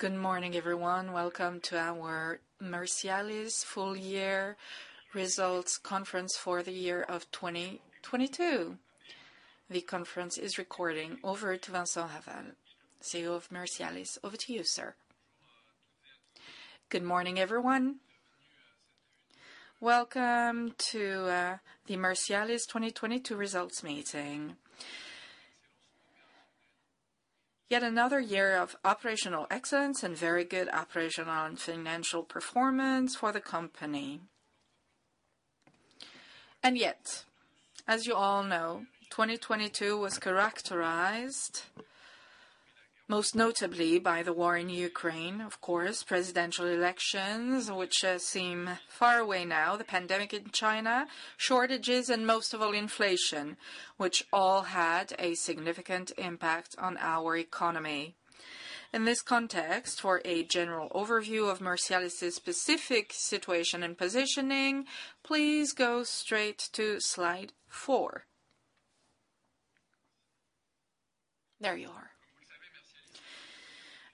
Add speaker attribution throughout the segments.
Speaker 1: Good morning, everyone. Welcome to our Mercialys full year results conference for the year of 2022. The conference is recording. Over to Vincent Ravat, CEO of Mercialys. Over to you, sir.
Speaker 2: Good morning, everyone. Welcome to the Mercialys 2022 results meeting. Yet another year of operational excellence and very good operational and financial performance for the company. Yet, as you all know, 2022 was characterized most notably by the war in Ukraine, of course, presidential elections, which seem far away now, the pandemic in China, shortages and most of all, inflation, which all had a significant impact on our economy. In this context, for a general overview of Mercialys' specific situation and positioning, please go straight to slide four. There you are.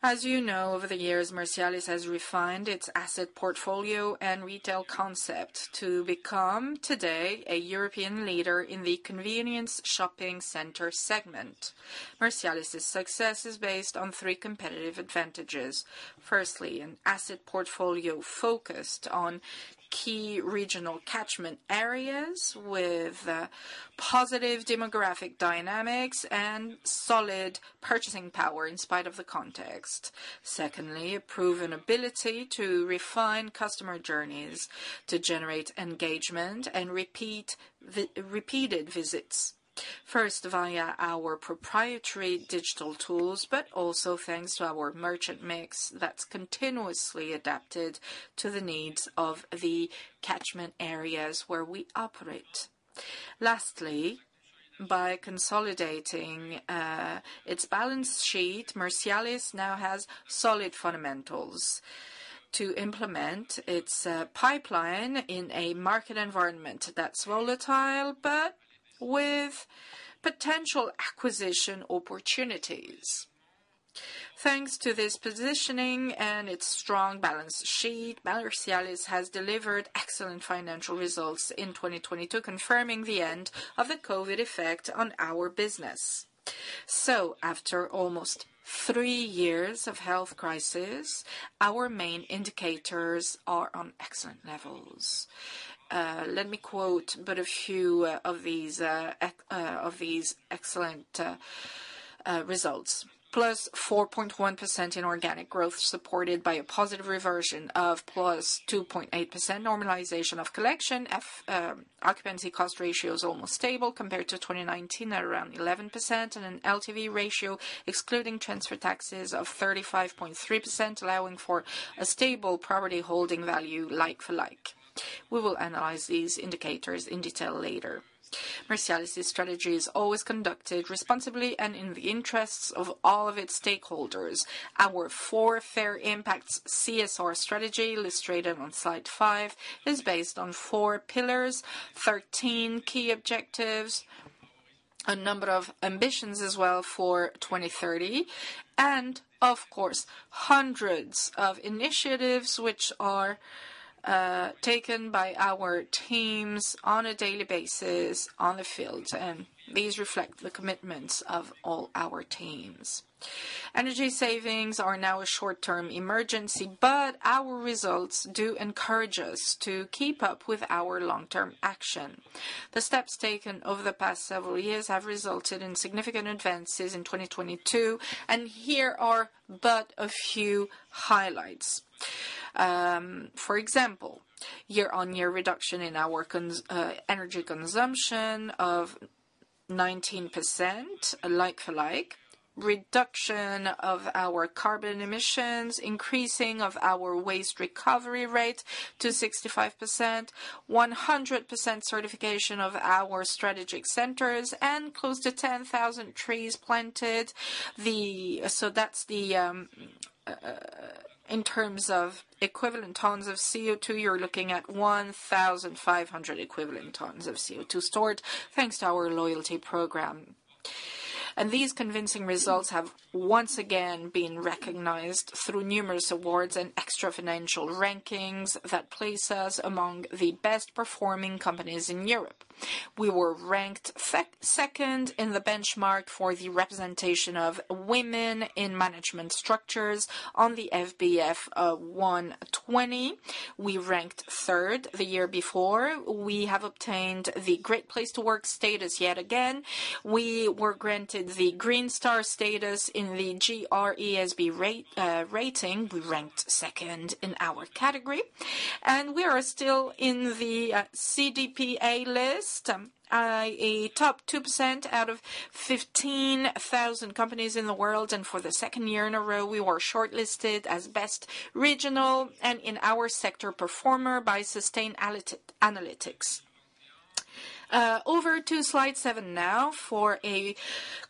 Speaker 2: As you know, over the years, Mercialys has refined its asset portfolio and retail concept to become today a European leader in the convenience shopping center segment. Mercialys' success is based on three competitive advantages. Firstly, an asset portfolio focused on key regional catchment areas with positive demographic dynamics and solid purchasing power in spite of the context. Secondly, a proven ability to refine customer journeys to generate engagement and repeated visits, first via our proprietary digital tools, but also thanks to our merchant mix that's continuously adapted to the needs of the catchment areas where we operate. Lastly, by consolidating its balance sheet, Mercialys now has solid fundamentals to implement its pipeline in a market environment that's volatile, but with potential acquisition opportunities. Thanks to this positioning and its strong balance sheet, Mercialys has delivered excellent financial results in 2022, confirming the end of the COVID effect on our business. After almost three years of health crisis, our main indicators are on excellent levels. Let me quote but a few of these excellent results. Plus 4.1% in organic growth, supported by a positive reversion of +2.8% normalization of collection. Occupancy cost ratio is almost stable compared to 2019 at around 11%, and an LTV ratio excluding transfer taxes of 35.3%, allowing for a stable property holding value like for like. We will analyze these indicators in detail later. Mercialys' strategy is always conducted responsibly and in the interests of all of its stakeholders. Our four Fair Impacts CSR strategy, illustrated on slide five, is based on four pillars, 13 key objectives, a number of ambitions as well for 2030 and of course, hundreds of initiatives which are taken by our teams on a daily basis on the field, and these reflect the commitments of all our teams. Energy savings are now a short-term emergency, but our results do encourage us to keep up with our long-term action. The steps taken over the past several years have resulted in significant advances in 2022, and here are but a few highlights. For example, year-over-year reduction in our energy consumption of 19% like for like, reduction of our carbon emissions, increasing of our waste recovery rate to 65%, 100% certification of our strategic centers, and close to 10,000 trees planted. That's the in terms of equivalent tons of CO2, you're looking at 1,500 equivalent tons of CO2 stored thanks to our loyalty program. These convincing results have once again been recognized through numerous awards and extra financial rankings that place us among the best performing companies in Europe. We were ranked second in the benchmark for the representation of women in management structures on the SBF 120. We ranked third the year before. We have obtained the Great Place to Work status yet again. We were granted the Green Star status in the GRESB rating. We ranked second in our category, and we are still in the CDP A List, a top 2% out of 15,000 companies in the world. For the second year in a row we were shortlisted as best regional and in our sector performer by Sustainalytics. Over to slide seven now for a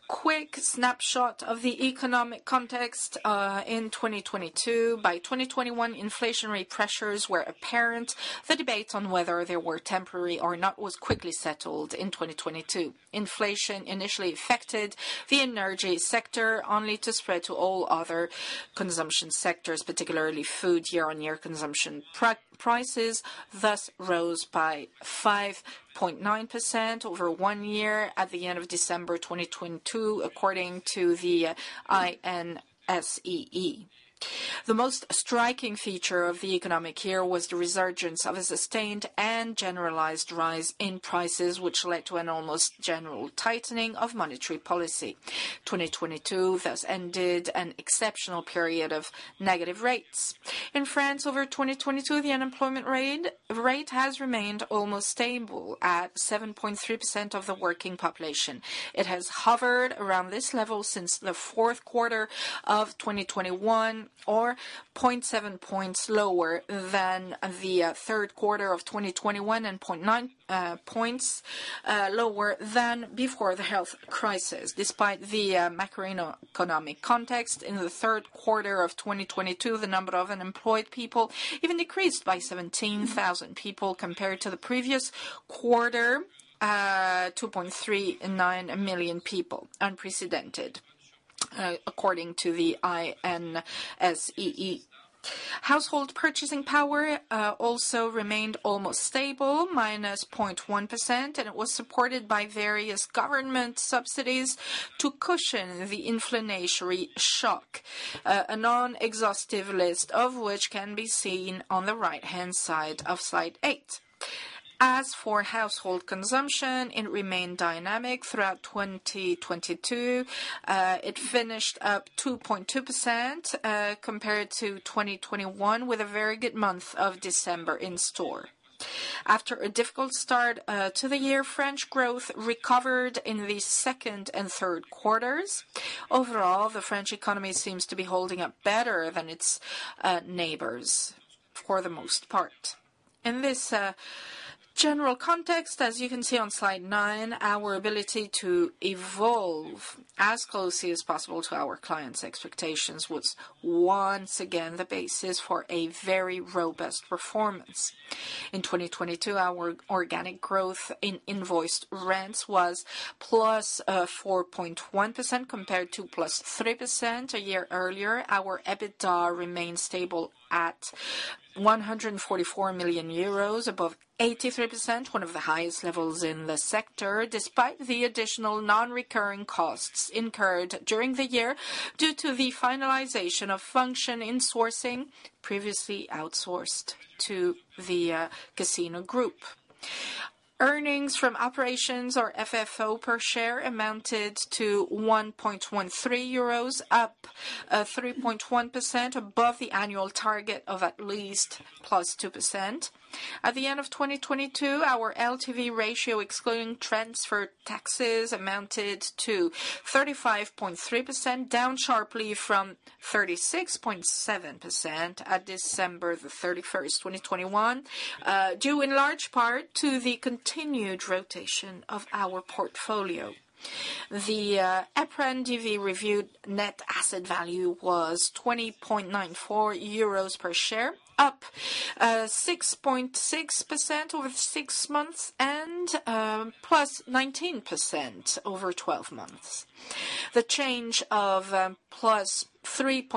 Speaker 2: quick snapshot of the economic context in 2022. By 2021, inflationary pressures were apparent. The debate on whether they were temporary or not was quickly settled in 2022. Inflation initially affected the energy sector, only to spread to all other consumption sectors, particularly food. Year-on-year consumption prices thus rose by 5.9% over one year at the end of December 2022, according to the INSEE. The most striking feature of the economic year was the resurgence of a sustained and generalized rise in prices which led to an almost general tightening of monetary policy. 2022, thus, ended an exceptional period of negative rates. In France over 2022, the unemployment rate has remained almost stable at 7.3% of the working population. It has hovered around this level since Q4 2021 or 0.7 points lower than the Q3 2021 and 0.9 points lower than before the health crisis. Despite the macroeconomic context in Q3 2022, the number of unemployed people even decreased by 17,000 people compared to the previous quarter, 2.39 million people. Unprecedented, according to the INSEE. Household purchasing power also remained almost stable, -0.1%, and it was supported by various government subsidies to cushion the inflationary shock. A non-exhaustive list of which can be seen on the right-hand side of slide eight. As for household consumption, it remained dynamic throughout 2022. It finished up 2.2% compared to 2021, with a very good month of December in store. After a difficult start to the year, French growth recovered in the second and third quarters. Overall, the French economy seems to be holding up better than its neighbors for the most part. In this general context, as you can see on slide nine, our ability to evolve as closely as possible to our clients' expectations was once again the basis for a very robust performance. In 2022, our organic growth in invoiced rents was +4.1% compared to +3% a year earlier. Our EBITDA remained stable at 144 million euros, above 83%, one of the highest levels in the sector, despite the additional non-recurring costs incurred during the year due to the finalization of function insourcing previously outsourced to the Casino Group. Earnings from operations, or FFO per share, amounted to 1.13 euros, up 3.1% above the annual target of at least +2%. At the end of 2022, our LTV ratio, excluding transfer taxes, amounted to 35.3%, down sharply from 36.7% at December 31st, 2021, due in large part to the continued rotation of our portfolio. The EPRA NDV reviewed net asset value was 20.94 euros per share, up 6.6% over six months and +19% over 12 months. The change of +3.34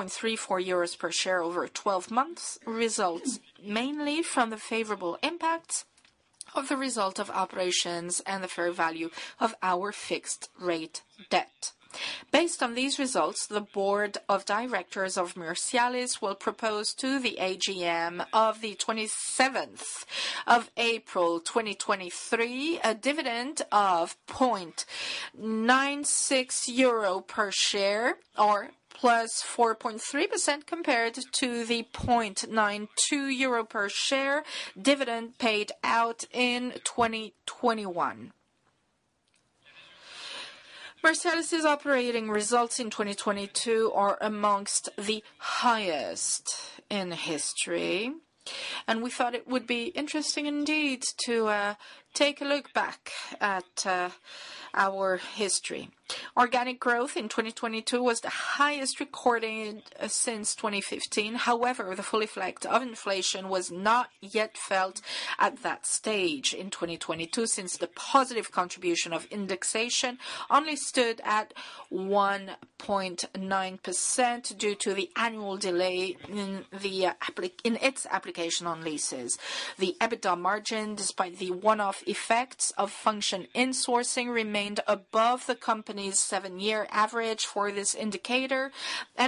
Speaker 2: euros per share over 12 months results mainly from the favorable impact of the result of operations and the fair value of our fixed rate debt. Based on these results, the board of directors of Mercialys will propose to the AGM of the 27th of April, 2023, a dividend of 0.96 euro per share or +4.3% compared to the 0.92 euro per share dividend paid out in 2021. Mercialys' operating results in 2022 are amongst the highest in history, we thought it would be interesting indeed to take a look back at our history. Organic growth in 2022 was the highest recorded since 2015. The full effect of inflation was not yet felt at that stage in 2022, since the positive contribution of indexation only stood at 1.9% due to the in its application on leases. The EBITDA margin, despite the one-off effects of function insourcing, remained above the company's seven-year average for this indicator.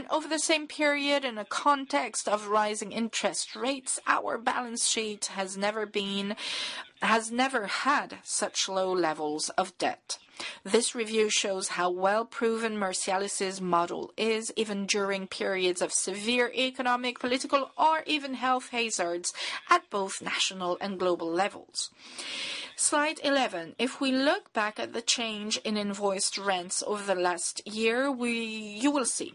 Speaker 2: Over the same period, in a context of rising interest rates, our balance sheet has never had such low levels of debt. This review shows how well-proven Mercialys' model is, even during periods of severe economic, political, or even health hazards at both national and global levels. Slide 11. If we look back at the change in invoiced rents over the last year, you will see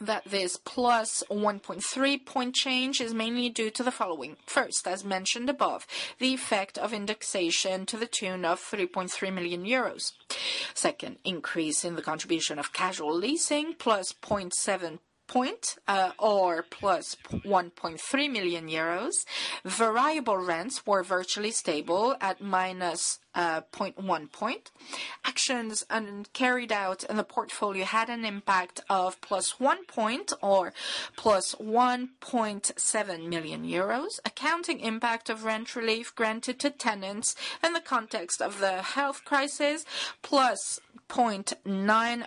Speaker 2: that this +1.3 point change is mainly due to the following. First, as mentioned above, the effect of indexation to the tune of 3.3 million euros. Second, increase in the contribution of casual leasing +0.7 point, or +1.3 million euros EUR. Variable rents were virtually stable at minus 0.1 point. Actions carried out in the portfolio had an impact of +1.7 million euros. Accounting impact of rent relief granted to tenants in the context of the health crisis, +million.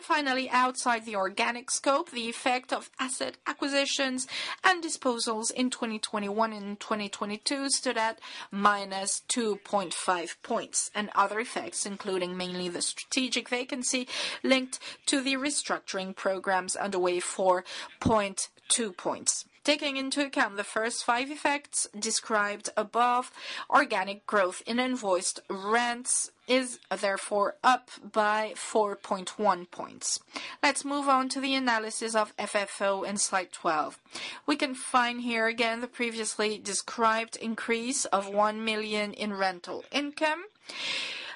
Speaker 2: Finally, outside the organic scope, the effect of asset acquisitions and disposals in 2021 and 2022 stood at minus 2.5 points. Other effects, including mainly the strategic vacancy linked to the restructuring programs underway 4.2 points. Taking into account the first five effects described above, organic growth in invoiced rents is therefore up by 4.1 points. Let's move on to the analysis of FFO in slide 12. We can find here again the previously described increase of 1 million in rental income.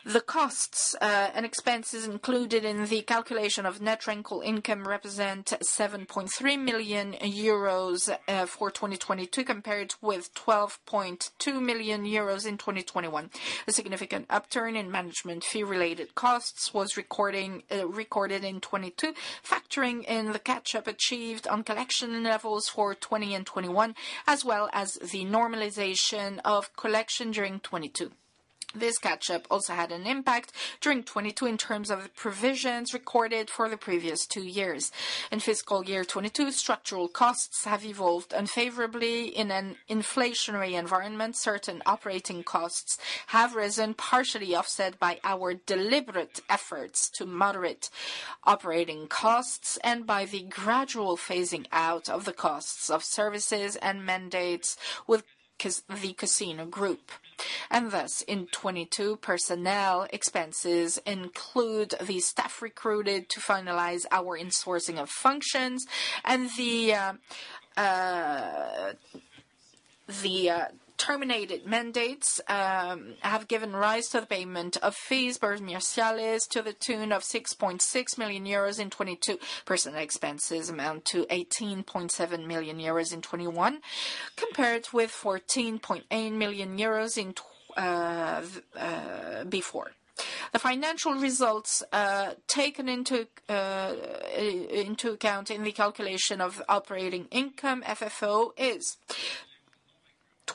Speaker 2: The costs and expenses included in the calculation of net rental income represent 7.3 million euros for 2022, compared with 12.2 million euros in 2021. A significant upturn in management fee-related costs was recorded in 2022, factoring in the catch-up achieved on collection levels for 2020 and 2021, as well as the normalization of collection during 2022. This catch-up also had an impact during 22 in terms of provisions recorded for the previous two years. In fiscal year 22, structural costs have evolved unfavorably in an inflationary environment. Certain operating costs have risen, partially offset by our deliberate efforts to moderate operating costs and by the gradual phasing out of the costs of services and mandates with the Casino Group. In 22, personnel expenses include the staff recruited to finalize our insourcing of functions and the terminated mandates have given rise to the payment of fees by Mercialys to the tune of 6.6 million euros in 22. Personnel expenses amount to 18.7 million euros in 21, compared with 14.8 million euros before. The financial results, taken into account in the calculation of operating income, FFO, is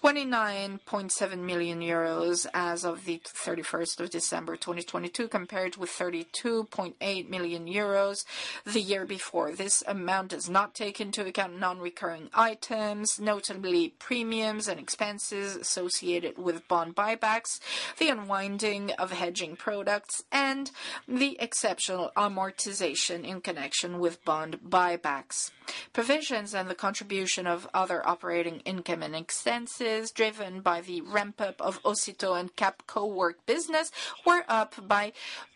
Speaker 2: 29.7 million euros as of the 31st of December 2022, compared with 32.8 million euros the year before. This amount does not take into account non-recurring items, notably premiums and expenses associated with bond buybacks, the unwinding of hedging products, and the exceptional amortization in connection with bond buybacks. Provisions and the contribution of other operating income and expenses, driven by the ramp-up of Ocitô and Cap Cowork business, were up by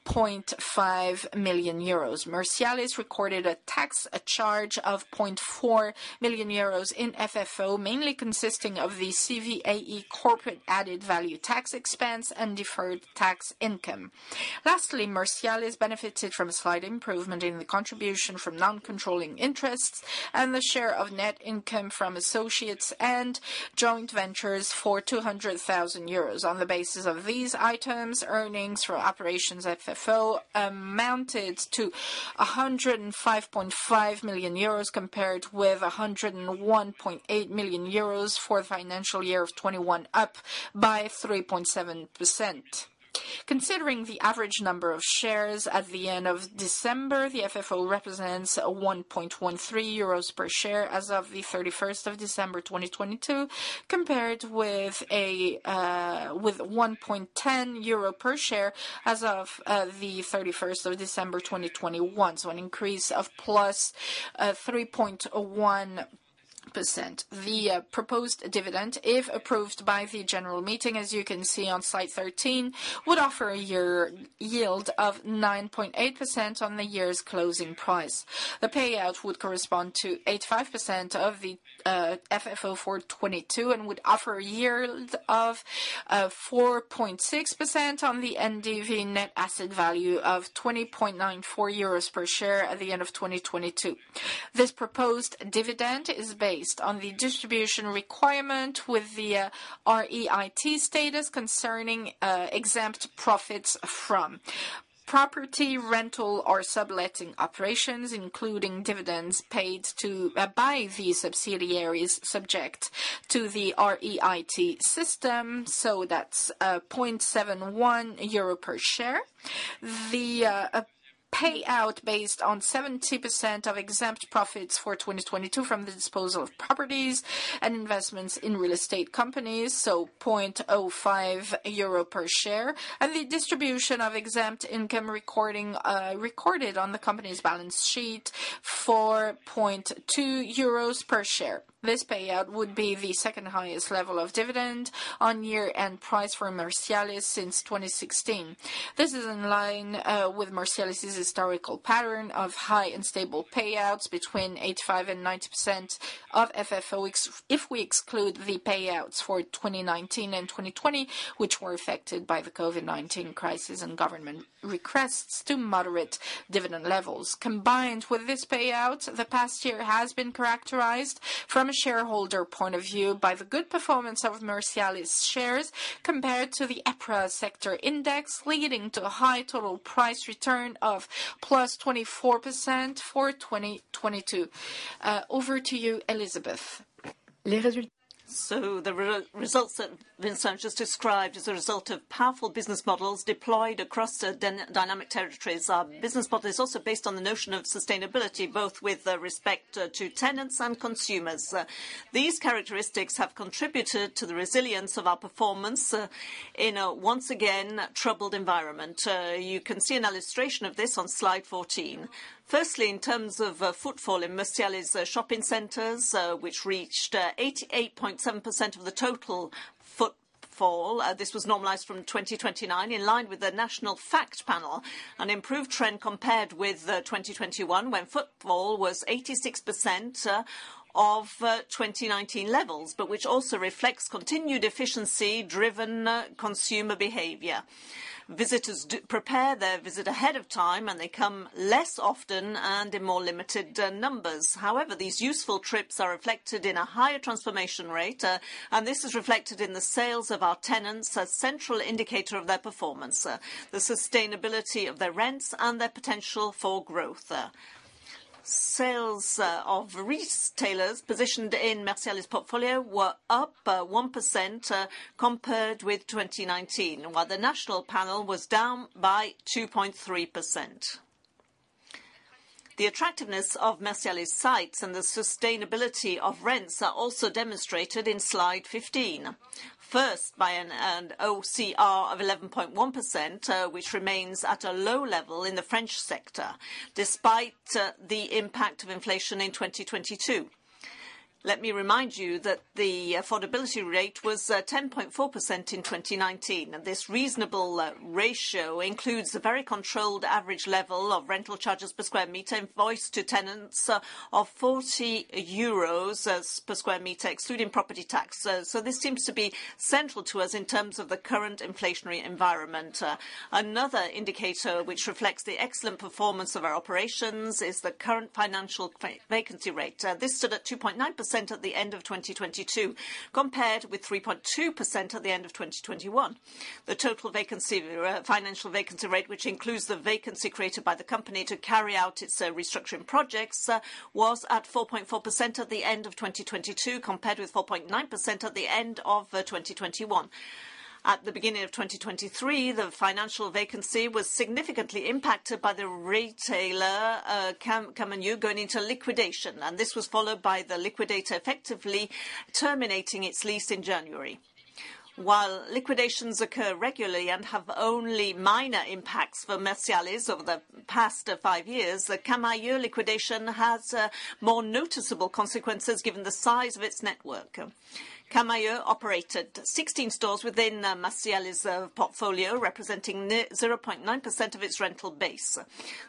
Speaker 2: 0.5 million euros. Mercialys recorded a charge of 0.4 million euros in FFO, mainly consisting of the CVAE corporate added value tax expense and deferred tax income. Lastly, Mercialys benefited from a slight improvement in the contribution from non-controlling interests and the share of net income from associates and joint ventures for 200,000 euros. On the basis of these items, earnings for operations FFO amounted to 105.5 million euros, compared with 101.8 million euros for the financial year of 2021, up by 3.7%. Considering the average number of shares at the end of December, the FFO represents 1.13 euros per share as of the 31st of December 2022, compared with 1.10 euro per share as of the 31st of December 2021. An increase of +3.1%. The proposed dividend, if approved by the general meeting, as you can see on slide 13, would offer a year-yield of 9.8% on the year's closing price. The payout would correspond to 85% of the FFO for 2022 and would offer a yield of 4.6% on the NDV net asset value of 20.94 euros per share at the end of 2022. This proposed dividend is based on the distribution requirement with the REIT status concerning exempt profits from property rental or subletting operations, including dividends paid by the subsidiaries subject to the REIT system. That's 0.71 euro per share. The payout based on 70% of exempt profits for 2022 from the disposal of properties and investments in real estate companies, 0.05 EUR per share, and the distribution of exempt income recorded on the company's balance sheet for 0.2 EUR per share. This payout would be the second highest level of dividend on year and price for Mercialys since 2016. This is in line with Mercialys' historical pattern of high and stable payouts between 85% and 90% of FFO ex- if we exclude the payouts for 2019 and 2020, which were affected by the COVID-19 crisis and government requests to moderate dividend levels. Combined with this payout, the past year has been characterized from a shareholder point of view by the good performance of Mercialys shares compared to the EPRA sector index, leading to a high total price return of +24% for 2022. Over to you, Elisabeth.
Speaker 3: The results that Vincent just described is a result of powerful business models deployed across the dynamic territories. Our business model is also based on the notion of sustainability, both with the respect to tenants and consumers. These characteristics have contributed to the resilience of our performance in a once again troubled environment. You can see an illustration of this on slide 14. Firstly, in terms of footfall in Mercialys' shopping centers, which reached 88.7% of the total footfall, this was normalized from 2029, in line with the national FACT panel, an improved trend compared with 2021, when football was 86% of 2019 levels, but which also reflects continued efficiency-driven consumer behavior. Visitors prepare their visit ahead of time, and they come less often and in more limited numbers. However, these useful trips are reflected in a higher transformation rate, and this is reflected in the sales of our tenants, a central indicator of their performance, the sustainability of their rents and their potential for growth. Sales of retailers positioned in Mercialys' portfolio were up 1%, compared with 2019, while the national panel was down by 2.3%. The attractiveness of Mercialys sites and the sustainability of rents are also demonstrated in slide 15. First, by an OCR of 11.1%, which remains at a low level in the French sector, despite the impact of inflation in 2022. Let me remind you that the affordability rate was 10.4% in 2019. This reasonable ratio includes a very controlled average level of rental charges per square meter invoiced to tenants of EUR 40 as per square meter, excluding property taxes. This seems to be central to us in terms of the current inflationary environment. Another indicator which reflects the excellent performance of our operations is the current financial vacancy rate. This stood at 2.9% at the end of 2022, compared with 3.2% at the end of 2021. The total vacancy rate, financial vacancy rate, which includes the vacancy created by the company to carry out its restructuring projects, was at 4.4% at the end of 2022, compared with 4.9% at the end of 2021. At the beginning of 2023, the financial vacancy was significantly impacted by the retailer Camaïeu going into liquidation, this was followed by the liquidator effectively terminating its lease in January. While liquidations occur regularly and have only minor impacts for Mercialys over the past five years, the Camaïeu liquidation has more noticeable consequences given the size of its network. Camaïeu operated 16 stores within Mercialys portfolio, representing 0.9% of its rental base.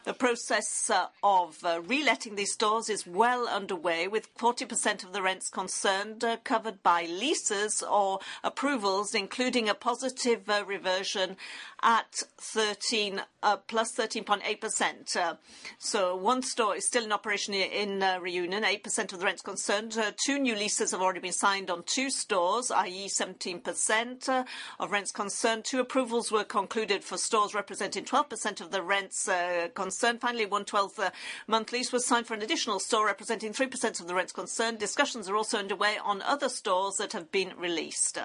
Speaker 3: The process of reletting these stores is well underway, with 40% of the rents concerned covered by leases or approvals, including a positive reversion at 13, +13.8%. One store is still in operation in Reunion, 8% of the rents concerned. Two new leases have already been signed on two stores, i.e. 17% of rents concerned. two approvals were concluded for stores representing 12% of the rents concerned. Finally, 1 12-month lease was signed for an additional store representing 3% of the rents concerned. Discussions are also underway on other stores that have been released.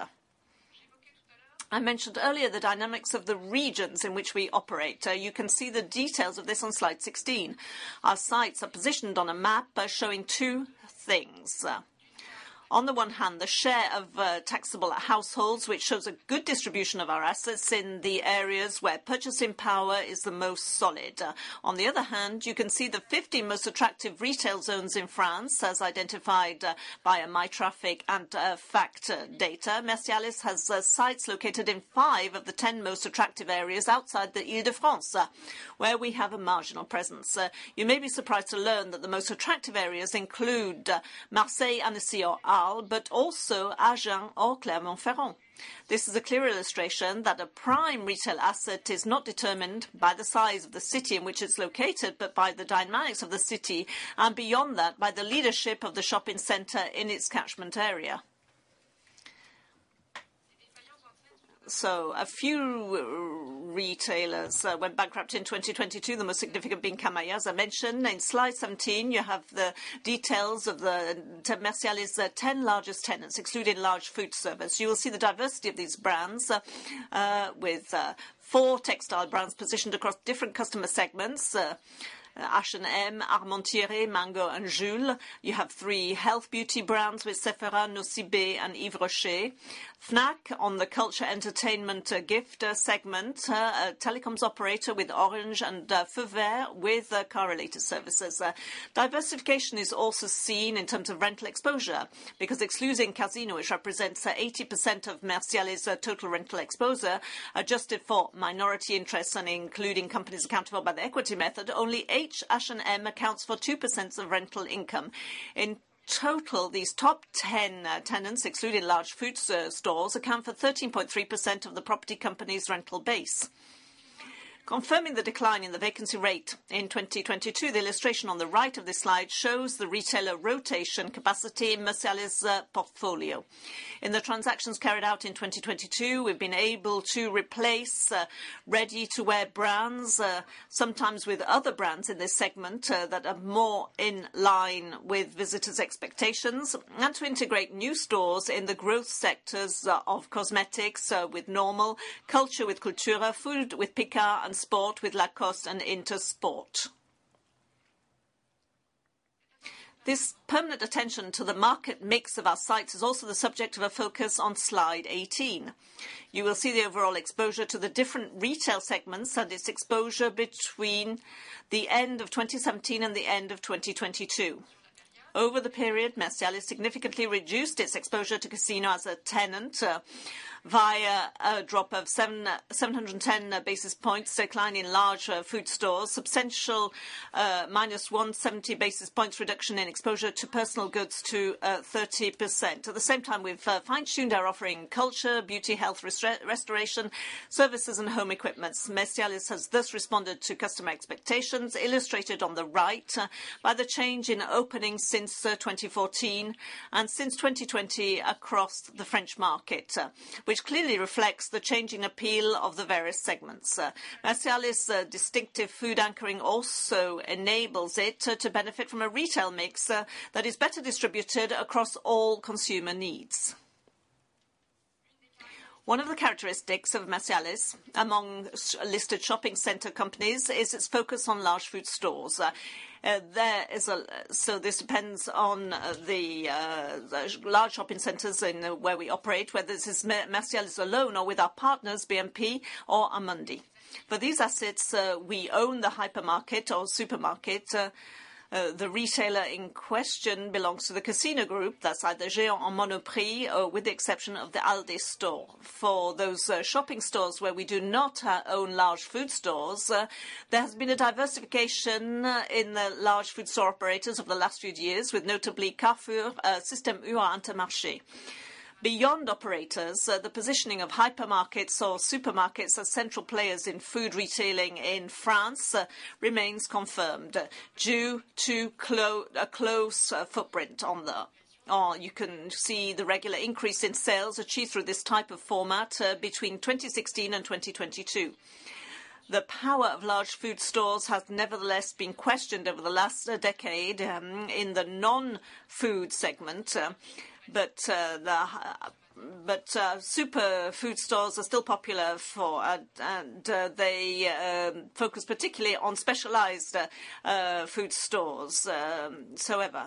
Speaker 3: I mentioned earlier the dynamics of the regions in which we operate. You can see the details of this on slide 16. Our sites are positioned on a map, showing two things. On the one hand, the share of taxable households, which shows a good distribution of our assets in the areas where purchasing power is the most solid. On the other hand, you can see the 50 most attractive retail zones in France, as identified via Mytraffic and FACT data. Mercialys has sites located in five of the 10 most attractive areas outside the Île-de-France, where we have a marginal presence. You may be surprised to learn that the most attractive areas include Marseille, Annecy or Arles, but also Agen or Clermont-Ferrand. This is a clear illustration that a prime retail asset is not determined by the size of the city in which it's located, but by the dynamics of the city, and beyond that, by the leadership of the shopping center in its catchment area. A few retailers went bankrupt in 2022, the most significant being Camaïeu, as I mentioned. In slide 17, you have the details of the, to Mercialys', 10 largest tenants, excluding large food service. You will see the diversity of these brands, with four textile brands positioned across different customer segments, H&M, Armand Thiery, Mango and Jules. You have three health beauty brands with Sephora, Nocibé and Yves Rocher. Fnac on the culture entertainment gift segment, a telecoms operator with Orange and Feu Vert with car-related services. Diversification is also seen in terms of rental exposure because excluding Casino, which represents 80% of Mercialys' total rental exposure, adjusted for minority interests and including companies accountable by the equity method, only H&M accounts for 2% of rental income. In total, these top 10 tenants, excluding large food stores, account for 13.3% of the property company's rental base. Confirming the decline in the vacancy rate in 2022, the illustration on the right of this slide shows the retailer rotation capacity in Mercialys' portfolio. In the transactions carried out in 2022, we've been able to replace ready-to-wear brands, sometimes with other brands in this segment, that are more in line with visitors' expectations, and to integrate new stores in the growth sectors of cosmetics, with Normal, culture with Cultura, food with Picard, and sport with Lacoste and Intersport. This permanent attention to the market mix of our sites is also the subject of a focus on slide 18. You will see the overall exposure to the different retail segments and its exposure between the end of 2017 and the end of 2022. Over the period, Mercialys significantly reduced its exposure to Casino as a tenant via a drop of 710 basis points decline in larger food stores, substantial -170 basis points reduction in exposure to personal goods to 30%. At the same time, we've fine-tuned our offering culture, beauty, health, restoration, services and home equipment. Mercialys has thus responded to customer expectations illustrated on the right by the change in opening since 2014 and since 2020 across the French market, which clearly reflects the changing appeal of the various segments. Mercialys' distinctive food anchoring also enables it to benefit from a retail mix that is better distributed across all consumer needs. One of the characteristics of Mercialys among listed shopping center companies is its focus on large food stores. There is a This depends on the large shopping centers in where we operate, whether this is Mercialys alone or with our partners, BNP or Amundi. For these assets, we own the hypermarket or supermarket. The retailer in question belongs to the Casino Group, that's either Géant or Monoprix, with the exception of the Aldi store. For those shopping stores where we do not own large food stores, there has been a diversification in the large food store operators over the last few years, with notably Carrefour, Système U, Intermarché. Beyond operators, the positioning of hypermarkets or supermarkets as central players in food retailing in France remains confirmed due to close footprint on the... You can see the regular increase in sales achieved through this type of format between 2016 and 2022. The power of large food stores has nevertheless been questioned over the last decade, in the non-food segment. Super food stores are still popular for, and they focus particularly on specialized food stores. However,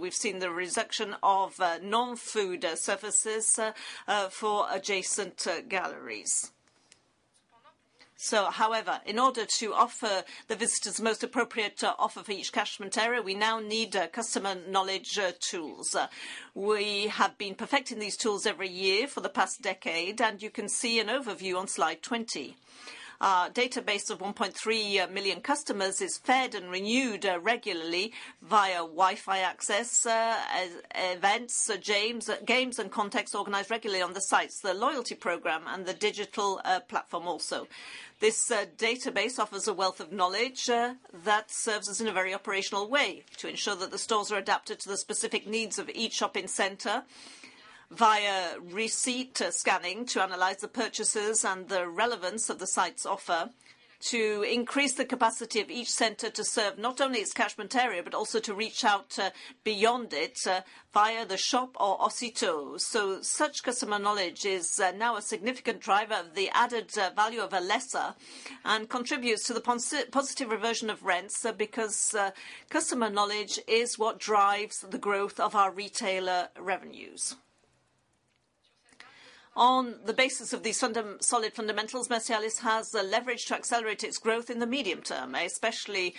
Speaker 3: we've seen the reduction of non-food services for adjacent galleries. However, in order to offer the visitors most appropriate offer for each catchment area, we now need customer knowledge tools. We have been perfecting these tools every year for the past decade, and you can see an overview on slide 20. Our database of 1.3 million customers is fed and renewed regularly via Wi-Fi access, events, games and contests organized regularly on the sites, the loyalty program and the digital platform also. This database offers a wealth of knowledge that serves us in a very operational way to ensure that the stores are adapted to the specific needs of each shopping center via receipt scanning to analyze the purchases and the relevance of the site's offer to increase the capacity of each center to serve not only its catchment area, but also to reach out beyond it via the Shop or Ocitô. Such customer knowledge is now a significant driver, the added value of a lessor and contributes to the positive reversion of rents because customer knowledge is what drives the growth of our retailer revenues. On the basis of these solid fundamentals, Mercialys has the leverage to accelerate its growth in the medium term, especially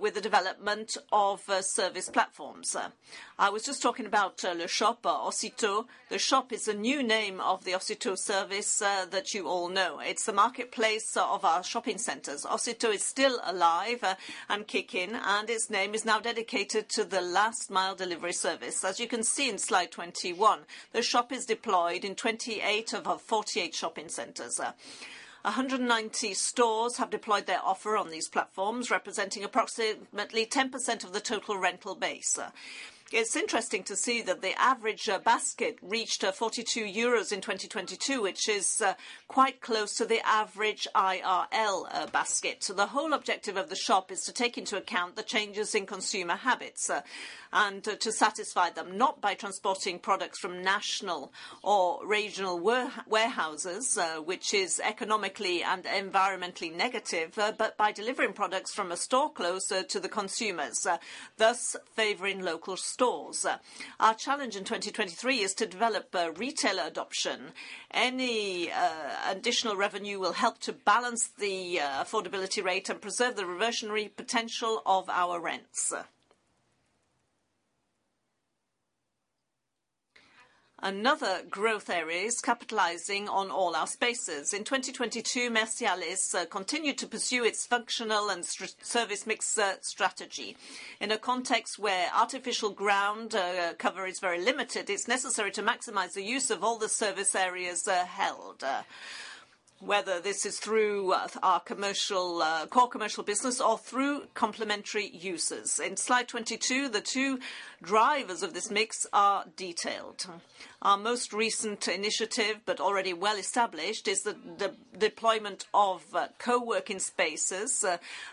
Speaker 3: with the development of service platforms. I was just talking about the Shop, Ocitô. The Shop is a new name of the Ocitô service that you all know. It's the marketplace of our shopping centers. Ocitô is still alive and kicking, and its name is now dedicated to the last mile delivery service. As you can see in Slide 21, the Shop is deployed in 28 of our 48 shopping centers. 190 stores have deployed their offer on these platforms, representing approximately 10% of the total rental base. It's interesting to see that the average basket reached 42 euros in 2022, which is quite close to the average IRL basket. The whole objective of the Shop is to take into account the changes in consumer habits, and to satisfy them, not by transporting products from national or regional warehouses, which is economically and environmentally negative, but by delivering products from a store closer to the consumers, thus favoring local stores. Our challenge in 2023 is to develop retailer adoption. Any additional revenue will help to balance the affordability rate and preserve the reversionary potential of our rents. Another growth area is capitalizing on all our spaces. In 2022, Mercialys continued to pursue its functional and service mix strategy. In a context where artificial ground cover is very limited, it's necessary to maximize the use of all the service areas held, whether this is through our commercial core commercial business or through complementary uses. In Slide 22, the two drivers of this mix are detailed. Our most recent initiative, but already well established, is the deployment of co-working spaces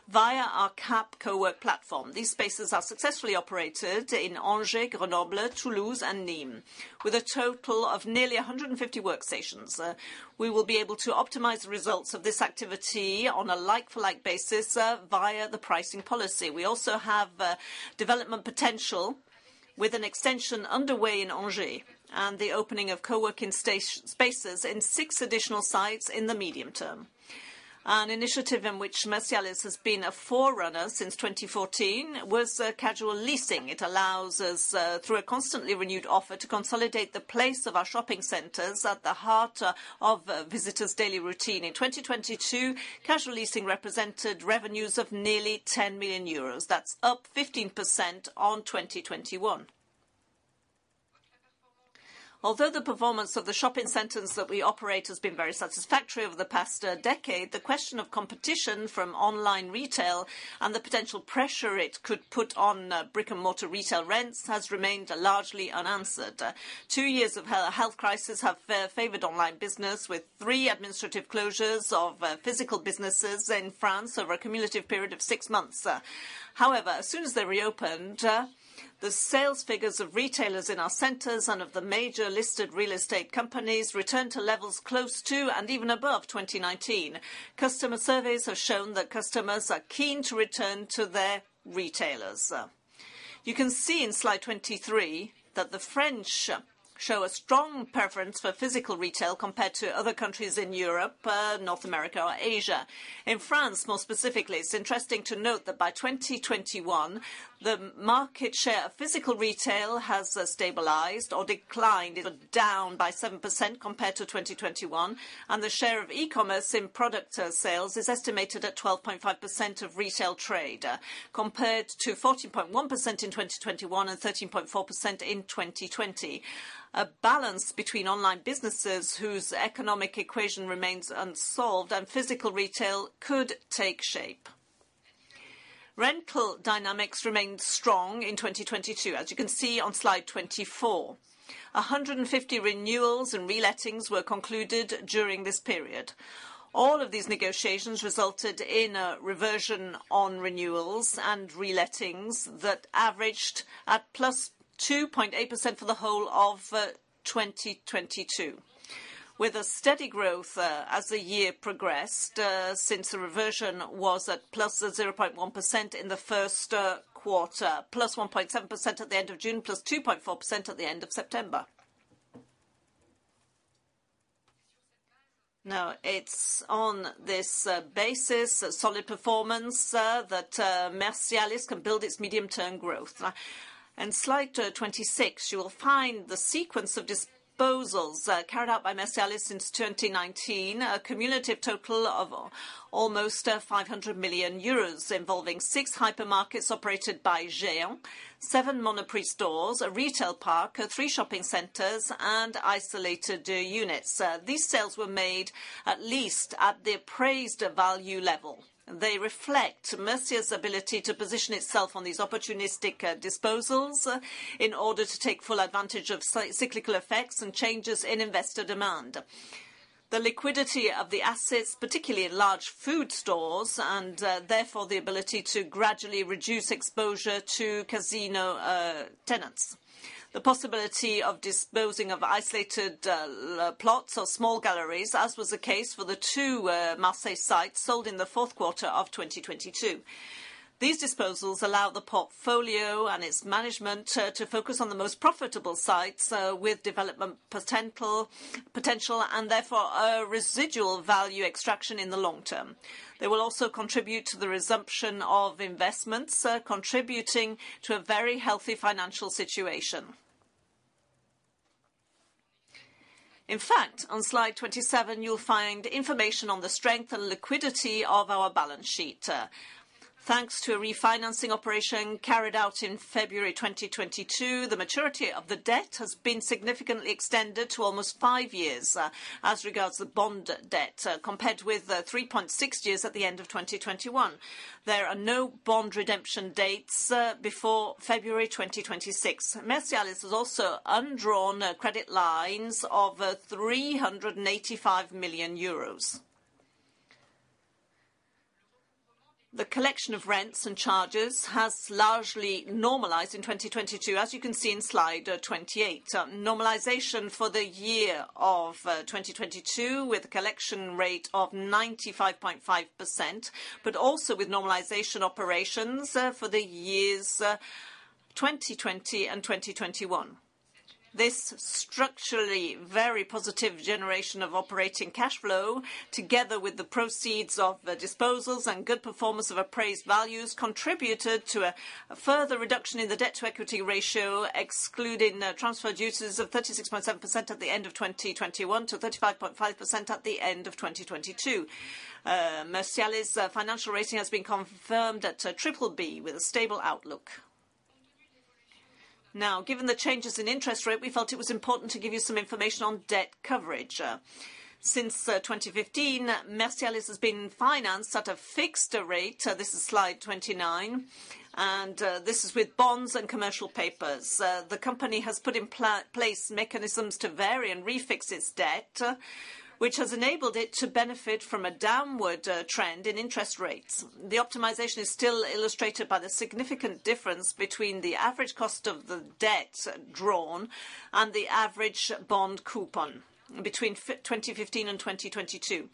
Speaker 3: via our CapCowork platform. These spaces are successfully operated in Angers, Grenoble, Toulouse, and Nîmes, with a total of nearly 150 workstations. We will be able to optimize the results of this activity on a like for like basis via the pricing policy. We also have development potential with an extension underway in Angers, and the opening of co-working spaces in six additional sites in the medium term. An initiative in which Mercialys has been a forerunner since 2014 was casual leasing. It allows us, through a constantly renewed offer, to consolidate the place of our shopping centers at the heart of visitors' daily routine. In 2022, casual leasing represented revenues of nearly 10 million euros. That's up 15% on 2021. Although the performance of the shopping centers that we operate has been very satisfactory over the past decade, the question of competition from online retail and the potential pressure it could put on brick-and-mortar retail rents has remained largely unanswered. Two years of health crisis have favored online business, with three administrative closures of physical businesses in France over a cumulative period of six months. However, as soon as they reopened, the sales figures of retailers in our centers and of the major listed real estate companies returned to levels close to and even above 2019. Customer surveys have shown that customers are keen to return to their retailers. You can see in Slide 23 that the French show a strong preference for physical retail compared to other countries in Europe, North America or Asia. In France, more specifically, it's interesting to note that by 2021, the market share of physical retail has stabilized or declined. It was down by 7% compared to 2021. The share of e-commerce in product sales is estimated at 12.5% of retail trade, compared to 14.1% in 2021 and 13.4% in 2020. A balance between online businesses, whose economic equation remains unsolved, and physical retail could take shape. Rental dynamics remained strong in 2022, as you can see on Slide 24. 150 renewals and relettings were concluded during this period. All of these negotiations resulted in a reversion on renewals and relettings that averaged at +2.8% for the whole of 2022, with a steady growth as the year progressed since the reversion was at +0.1% in the 1st quarter, +1.7% at the end of June, +2.4% at the end of September. It's on this basis, solid performance that Mercialys can build its medium-term growth. In Slide 26, you will find the sequence of disposals carried out by Mercialys since 2019, a cumulative total of almost 500 million euros, involving six hypermarkets operated by Géant, seven Monoprix stores, a retail park, three shopping centers, and isolated units. These sales were made at least at the appraised value level. They reflect Mercialys' ability to position itself on these opportunistic disposals in order to take full advantage of cyclical effects and changes in investor demand. The liquidity of the assets, particularly in large food stores, and therefore the ability to gradually reduce exposure to Casino tenants. The possibility of disposing of isolated plots or small galleries, as was the case for the two Marseille sites sold in the fourth quarter of 2022. These disposals allow the portfolio and its management to focus on the most profitable sites with development potential and therefore residual value extraction in the long term. They will also contribute to the resumption of investments, contributing to a very healthy financial situation. In fact, on slide 27, you'll find information on the strength and liquidity of our balance sheet. Thanks to a refinancing operation carried out in February 2022, the maturity of the debt has been significantly extended to almost 5 years, as regards to bond debt, compared with 3.6 years at the end of 2021. There are no bond redemption dates before February 2026. Mercialys has also undrawn credit lines of EUR 385 million. The collection of rents and charges has largely normalized in 2022, as you can see in slide 28. Normalization for the year of 2022 with a collection rate of 95.5%, but also with normalization operations for the years 2020 and 2021. This structurally very positive generation of operating cashflow, together with the proceeds of the disposals and good performance of appraised values, contributed to a further reduction in the debt-to-equity ratio, excluding transfer duties of 36.7% at the end of 2021 to 35.5% at the end of 2022. Mercialys' financial rating has been confirmed at triple B with a stable outlook. Now, given the changes in interest rate, we felt it was important to give you some information on debt coverage. Since 2015, Mercialys has been financed at a fixed rate. This is slide 29, and this is with bonds and commercial papers. The company has put in place mechanisms to vary and refix its debt, which has enabled it to benefit from a downward trend in interest rates. The optimization is still illustrated by the significant difference between the average cost of the debt drawn and the average bond coupon between 2015 and 2022.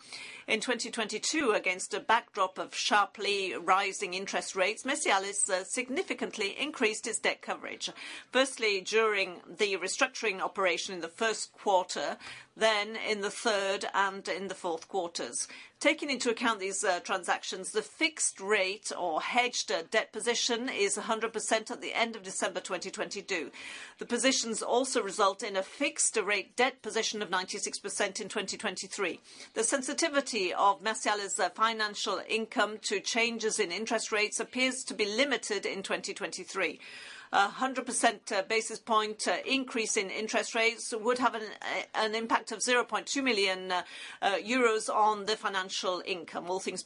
Speaker 3: 2022, against a backdrop of sharply rising interest rates, Mercialys significantly increased its debt coverage. Firstly, during the restructuring operation in the first quarter, then in the third and in the fourth quarters. Taking into account these transactions, the fixed rate or hedged debt position is 100% at the end of December 2022. The positions also result in a fixed rate debt position of 96% in 2023. The sensitivity of Mercialys' financial income to changes in interest rates appears to be limited in 2023. A hundred percent basis point increase in interest rates would have an impact of 0.2 million euros on the financial income, all things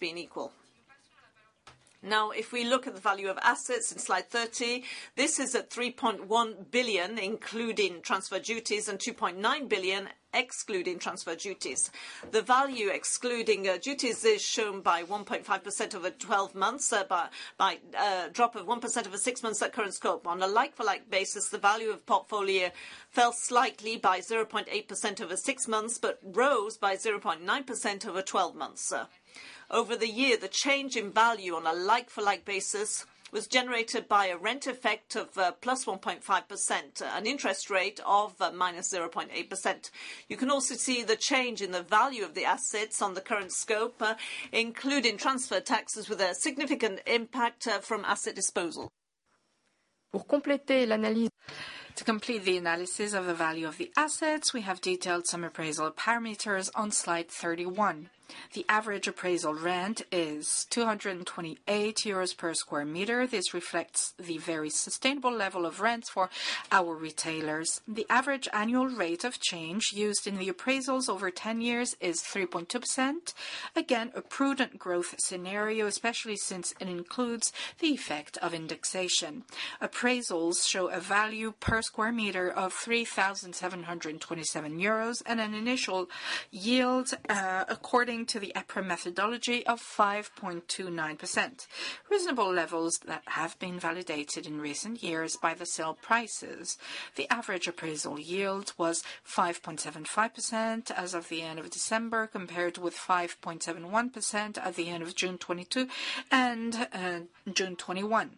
Speaker 3: being equal. If we look at the value of assets in slide 30, this is at 3.1 billion, including transfer duties, and 2.9 billion, excluding transfer duties. The value excluding duties is shown by 1.5% over 12 months, by a drop of 1% over 6 months at current scope. On a like-for-like basis, the value of portfolio fell slightly by 0.8% over 6 months, rose by 0.9% over 12 months, sir. Over the year, the change in value on a like-for-like basis was generated by a rent effect of +1.5%, an interest rate of -0.8%. You can also see the change in the value of the assets on the current scope, including transfer taxes with a significant impact from asset disposal. To complete the analysis of the value of the assets, we have detailed some appraisal parameters on slide 31. The average appraisal rent is EUR 228 per square meter. This reflects the very sustainable level of rents for our retailers. The average annual rate of change used in the appraisals over 10 years is 3.2%. Again, a prudent growth scenario, especially since it includes the effect of indexation. Appraisals show a value per square meter of 3,727 euros and an initial yield, according to the EPRA methodology of 5.29%. Reasonable levels that have been validated in recent years by the sale prices. The average appraisal yield was 5.75% as of the end of December, compared with 5.71% at the end of June 2022 and June 2021.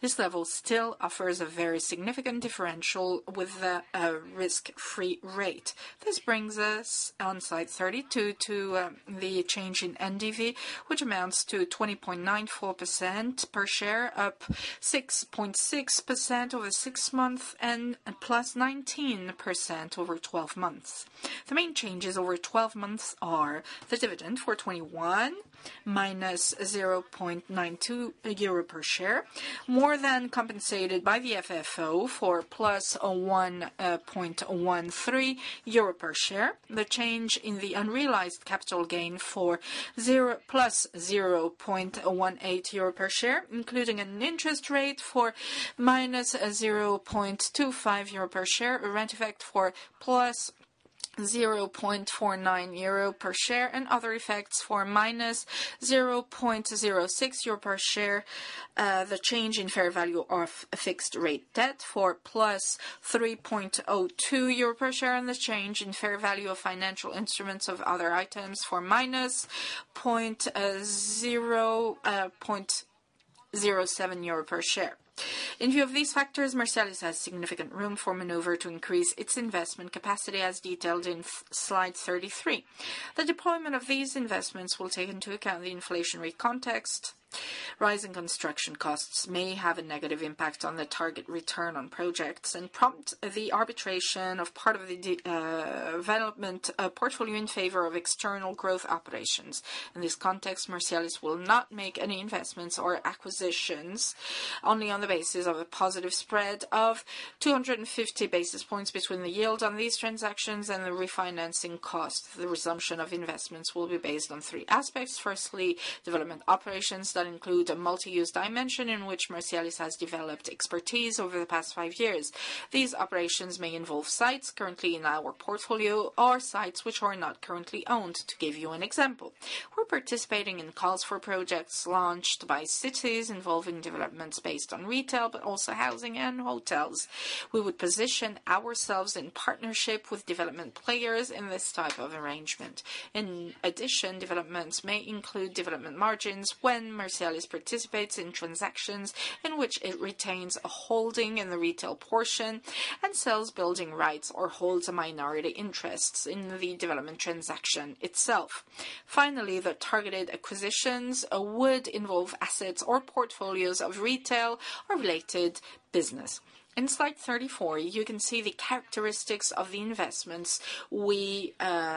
Speaker 3: This level still offers a very significant differential with the risk-free rate. This brings us on slide 32 to the change in NDV, which amounts to 20.94% per share, up 6.6% over six months and +19% over twelve months. The main changes over 12 months are the dividend for 2021, minus 0.92 euro per share, more than compensated by the FFO for plus 1.13 euro per share. The change in the unrealized capital gain for plus 0.18 euro per share, including an interest rate for minus 0.25 euro per share, a rent effect for plus 0.49 euro per share, and other effects for minus 0.06 euro per share. The change in fair value of a fixed rate debt for plus 3.02 euro per share, and the change in fair value of financial instruments of other items for minus 0.07 euro per share. In view of these factors, Mercialys has significant room for maneuver to increase its investment capacity as detailed in slide 33. The deployment of these investments will take into account the inflationary context.
Speaker 2: Rising construction costs may have a negative impact on the target return on projects and prompt the arbitration of part of the development portfolio in favor of external growth operations. In this context, Mercialys will not make any investments or acquisitions only on the basis of a positive spread of 250 basis points between the yield on these transactions and the refinancing costs. The resumption of investments will be based on three aspects. Firstly, development operations that include a multi-use dimension in which Mercialys has developed expertise over the past five years. These operations may involve sites currently in our portfolio or sites which are not currently owned. To give you an example, we're participating in calls for projects launched by cities involving developments based on retail, but also housing and hotels. We would position ourselves in partnership with development players in this type of arrangement. In addition, developments may include development margins when Mercialys participates in transactions in which it retains a holding in the retail portion and sells building rights or holds minority interests in the development transaction itself. Finally, the targeted acquisitions would involve assets or portfolios of retail or related business. In slide 34, you can see the characteristics of the investments we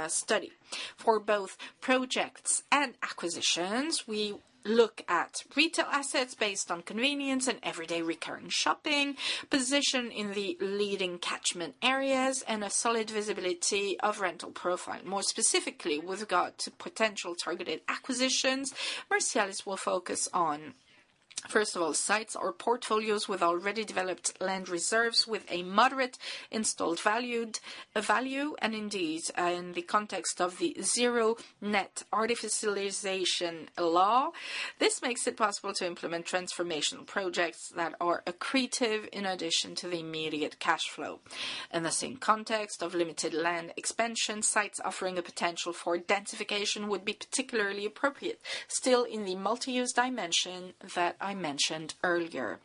Speaker 2: study. For both projects and acquisitions, we look at retail assets based on convenience and everyday recurring shopping, position in the leading catchment areas, and a solid visibility of rental profile. More specifically, with regard to potential targeted acquisitions, Mercialys will focus on, first of all, sites or portfolios with already developed land reserves with a moderate installed value. Indeed, in the context of the Zero Net Artificialization law, this makes it possible to implement transformational projects that are accretive in addition to the immediate cash flow. In the same context of limited land expansion, sites offering a potential for densification would be particularly appropriate, still in the multi-use dimension that I mentioned earlier.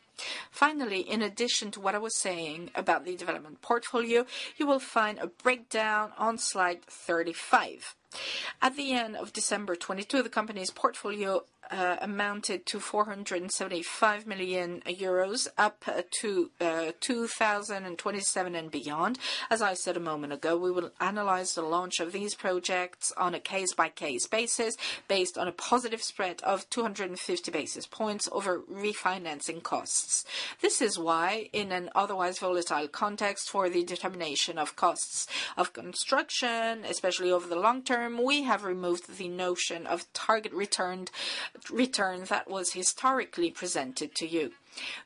Speaker 2: In addition to what I was saying about the development portfolio, you will find a breakdown on slide 35. At the end of December 2022, the company's portfolio amounted to 475 million euros, up to 2027 and beyond. As I said a moment ago, we will analyze the launch of these projects on a case-by-case basis based on a positive spread of 250 basis points over refinancing costs. This is why, in an otherwise volatile context for the determination of costs of construction, especially over the long term, we have removed the notion of target returned, return that was historically presented to you.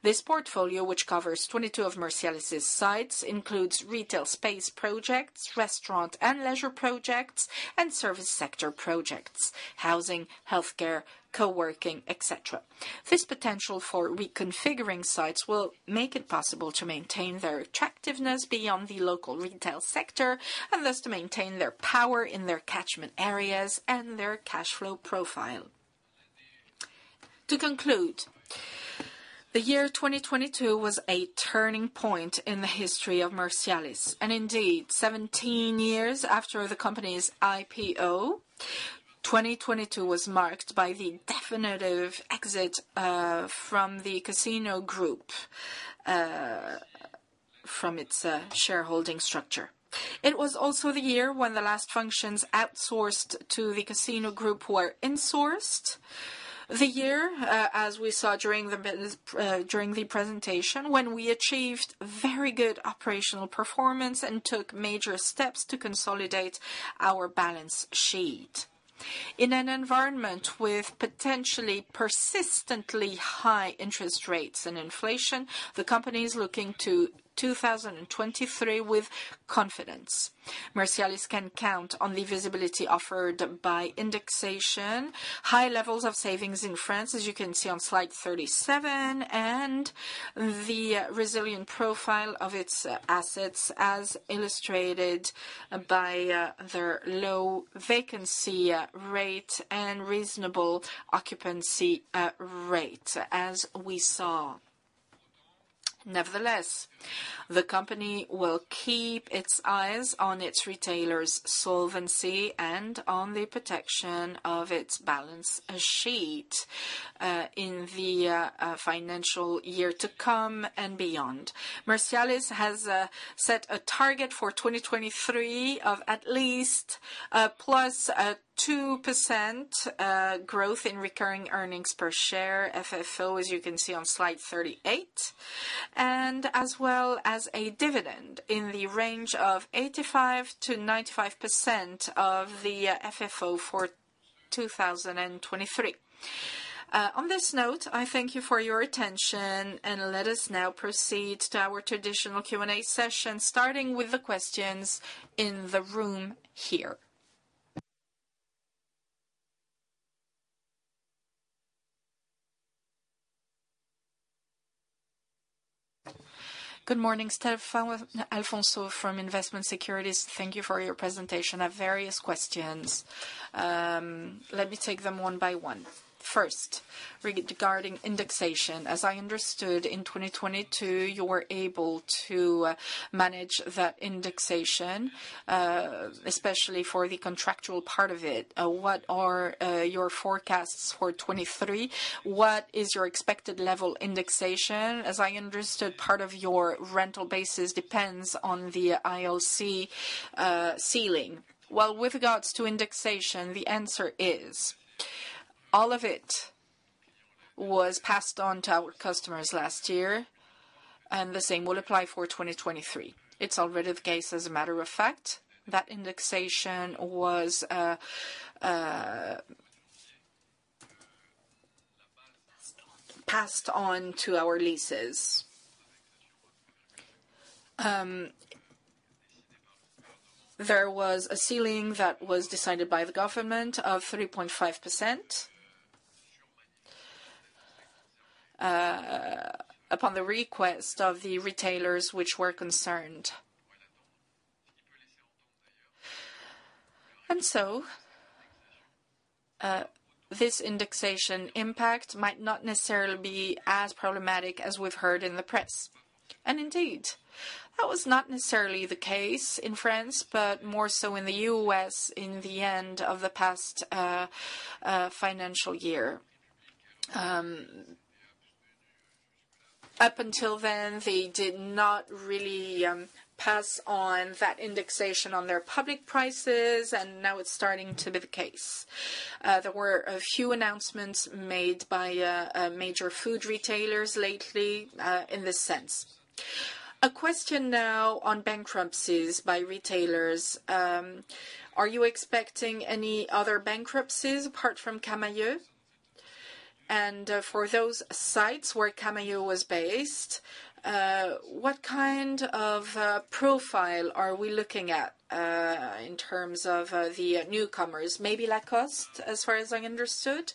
Speaker 2: This portfolio, which covers 22 of Mercialys' sites, includes retail space projects, restaurant and leisure projects, and service sector projects, housing, healthcare, co-working, et cetera. This potential for reconfiguring sites will make it possible to maintain their attractiveness beyond the local retail sector and thus to maintain their power in their catchment areas and their cash flow profile. The year 2022 was a turning point in the history of Mercialys, and indeed, 17 years after the company's IPO, 2022 was marked by the definitive exit from the Casino Group from its shareholding structure. It was also the year when the last functions outsourced to the Casino Group were insourced. The year, as we saw during the presentation, when we achieved very good operational performance and took major steps to consolidate our balance sheet. In an environment with potentially persistently high interest rates and inflation, the company is looking to 2023 with confidence. Mercialys can count on the visibility offered by indexation, high levels of savings in France, as you can see on slide 37, and the resilient profile of its assets, as illustrated by their low vacancy rate and reasonable occupancy rate, as we saw. Nevertheless, the company will keep its eyes on its retailers' solvency and on the protection of its balance sheet in the financial year to come and beyond. Mercialys has set a target for 2023 of at least +2% growth in recurring earnings per share, FFO, as you can see on slide 38, and as well as a dividend in the range of 85%-95% of the FFO for 2023. On this note, I thank you for your attention. Let us now proceed to our traditional Q&A session, starting with the questions in the room here. Good morning. Stephfa- Alfonso from Invest Securities. Thank you for your presentation. I have various questions. Let me take them one by one. First, regarding indexation. As I understood, in 2022, you were able to manage that indexation, especially for the contractual part of it. What are your forecasts for 2023? What is your expected level indexation? As I understood, part of your rental basis depends on the ILC ceiling. Well, with regards to indexation, the answer is all of it was passed on to our customers last year, and the same will apply for 2023. It's already the case, as a matter of fact, that indexation was passed on to our leases. There was a ceiling that was decided by the government of 3.5% upon the request of the retailers which were concerned. This indexation impact might not necessarily be as problematic as we've heard in the press. Indeed, that was not necessarily the case in France, but more so in the US in the end of the past financial year. Up until then, they did not really pass on that indexation on their public prices. Now it's starting to be the case. There were a few announcements made by major food retailers lately in this sense. A question now on bankruptcies by retailers. Are you expecting any other bankruptcies apart from Camaïeu? For those sites where Camaïeu was based, what kind of profile are we looking at in terms of the newcomers? Maybe Lacoste, as far as I understood.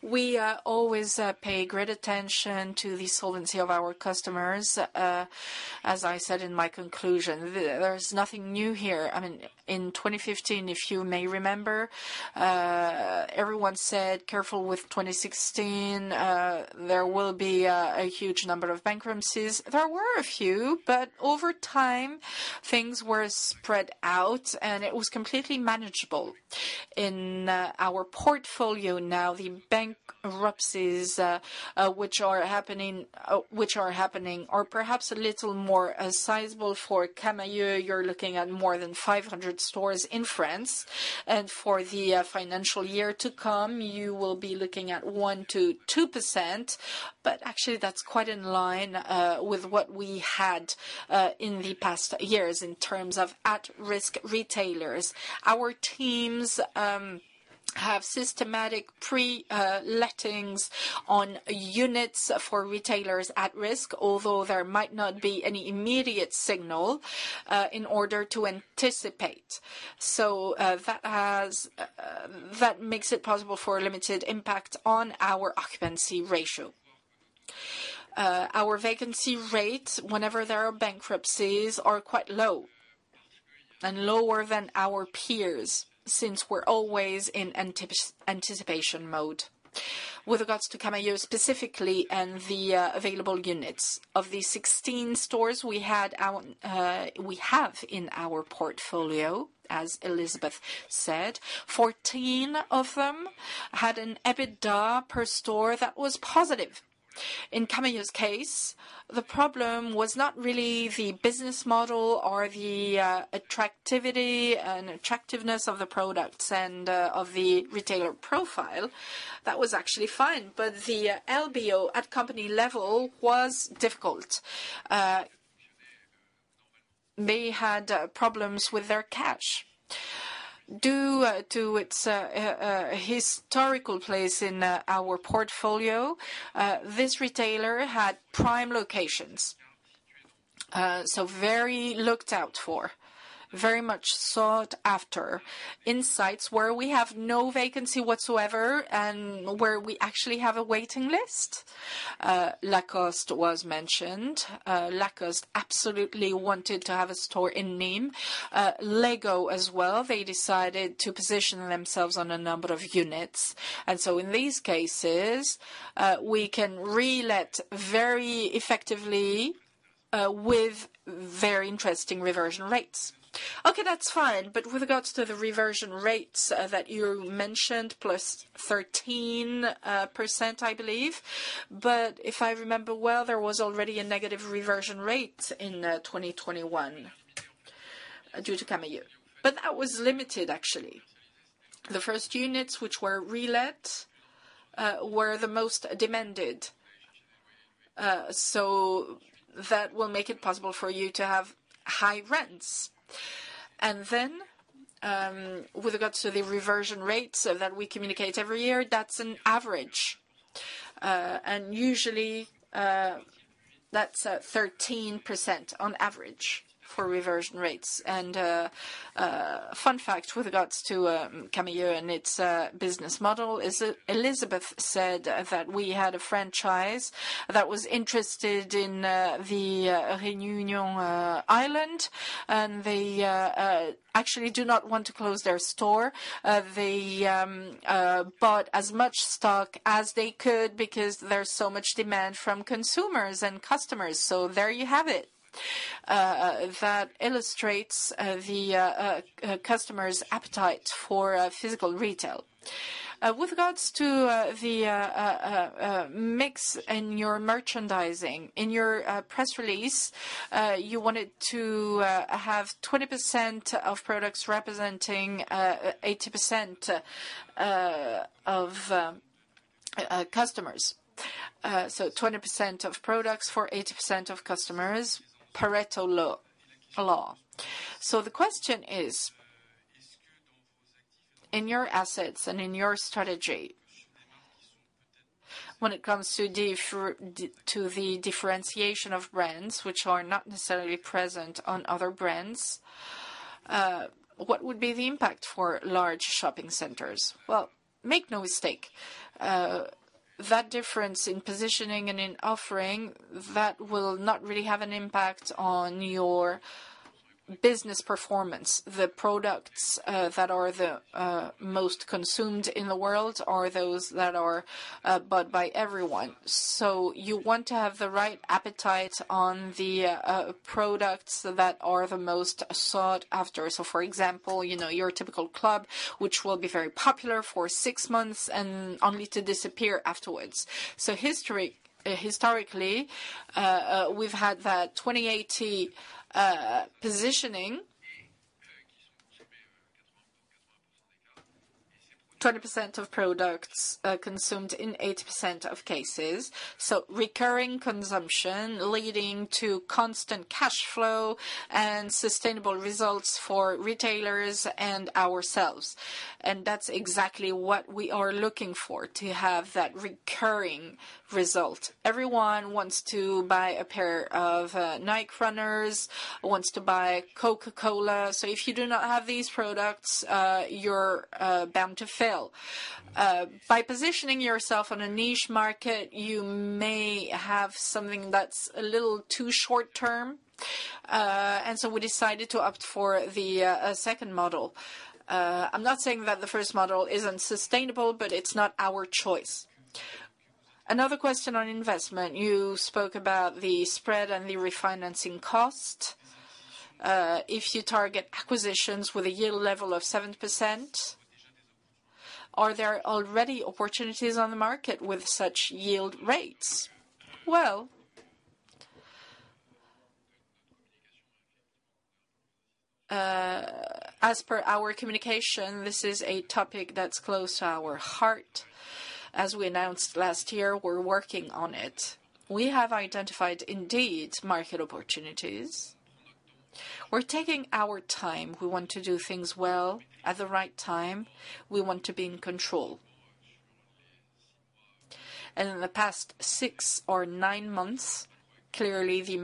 Speaker 2: We always pay great attention to the solvency of our customers. As I said in my conclusion, there's nothing new here. I mean, in 2015, if you may remember, everyone said, "Careful with 2016, there will be a huge number of bankruptcies." There were a few, but over time, things were spread out, and it was completely manageable. In our portfolio now, the bankruptcies which are happening are perhaps a little more sizable for Camaïeu. You're looking at more than 500 stores in France. For the financial year to come, you will be looking at 1%-2%. Actually, that's quite in line with what we had in the past years in terms of at-risk retailers. Our teams have systematic pre-lettings on units for retailers at risk, although there might not be any immediate signal in order to anticipate. That makes it possible for a limited impact on our occupancy ratio. Our vacancy rates whenever there are bankruptcies are quite low and lower than our peers since we're always in anticipation mode. With regards to Camaïeu specifically and the available units, of the 16 stores we had out, we have in our portfolio, as Elisabeth said, 14 of them had an EBITDA per store that was positive. In Camaïeu's case, the problem was not really the business model or the attractivity and attractiveness of the products and of the retailer profile. That was actually fine. The LBO at company level was difficult. They had problems with their cash. Due to its historical place in our portfolio, this retailer had prime locations, so very looked out for, very much sought after in sites where we have no vacancy whatsoever and where we actually have a waiting list. Lacoste was mentioned. Lacoste absolutely wanted to have a store in Nîmes. LEGO as well, they decided to position themselves on a number of units. In these cases, we can relet very effectively with very interesting reversion rates. Okay, that's fine. With regards to the reversion rates that you mentioned, +13%, I believe. If I remember well, there was already a negative reversion rate in 2021 due to Camaïeu. That was limited actually. The first units which were relet were the most demanded. That will make it possible for you to have high rents. With regards to the reversion rates that we communicate every year, that's an average. Usually, that's 13% on average for reversion rates. Fun fact with regards to Camaïeu and its business model is, Elisabeth said that we had a franchise that was interested in the Reunion Island, and they actually do not want to close their store. They bought as much stock as they could because there's so much demand from consumers and customers. There you have it. That illustrates the customer's appetite for physical retail. With regards to the mix in your merchandising, in your press release, you wanted to have 20% of products representing 80% of customers. 20% of products for 80% of customers, Pareto law. The question is, in your assets and in your strategy when it comes to the differentiation of brands which are not necessarily present on other brands, what would be the impact for large shopping centers? Well, make no mistake, that difference in positioning and in offering, that will not really have an impact on your business performance. The products that are the most consumed in the world are those that are bought by everyone. You want to have the right appetite on the products that are the most sought after. For example, you know, your typical club, which will be very popular for 6 months and only to disappear afterwards. Historically, we've had that 20/80 positioning. 20% of products consumed in 80% of cases, so recurring consumption leading to constant cash flow and sustainable results for retailers and ourselves. That's exactly what we are looking for, to have that recurring result. Everyone wants to buy a pair of Nike runners, wants to buy Coca-Cola. If you do not have these products, you're bound to fail. By positioning yourself on a niche market, you may have something that's a little too short term, we decided to opt for the second model. I'm not saying that the first model isn't sustainable, but it's not our choice. Another question on investment. You spoke about the spread and the refinancing cost. If you target acquisitions with a yield level of 7%, are there already opportunities on the market with such yield rates? As per our communication, this is a topic that's close to our heart. As we announced last year, we're working on it. We have identified, indeed, market opportunities. We're taking our time. We want to do things well at the right time. We want to be in control. In the past six or nine months, clearly the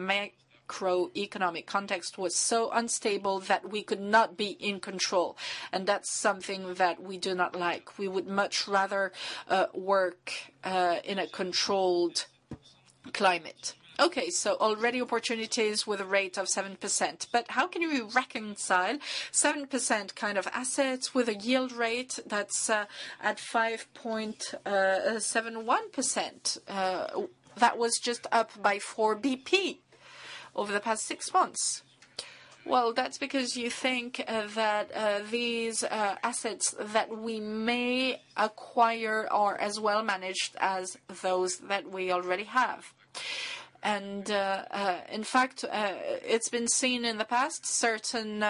Speaker 2: macroeconomic context was so unstable that we could not be in control, and that's something that we do not like. We would much rather work in a controlled climate. Already opportunities with a rate of 7%. How can you reconcile 7% kind of assets with a yield rate that's at 5.71%? That was just up by 4 BP over the past six months. That's because you think that these assets that we may acquire are as well managed as those that we already have. In fact, it's been seen in the past certain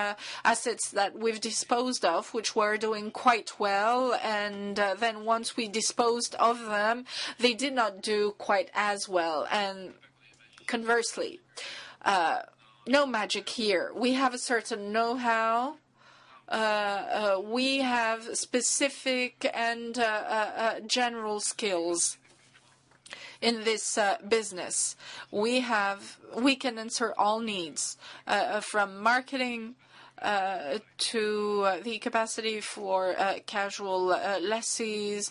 Speaker 2: assets that we've disposed of which were doing quite well, then once we disposed of them, they did not do quite as well. Conversely, no magic here. We have a certain know-how. We have specific and general skills in this business. We can answer all needs from marketing to the capacity for casual lessees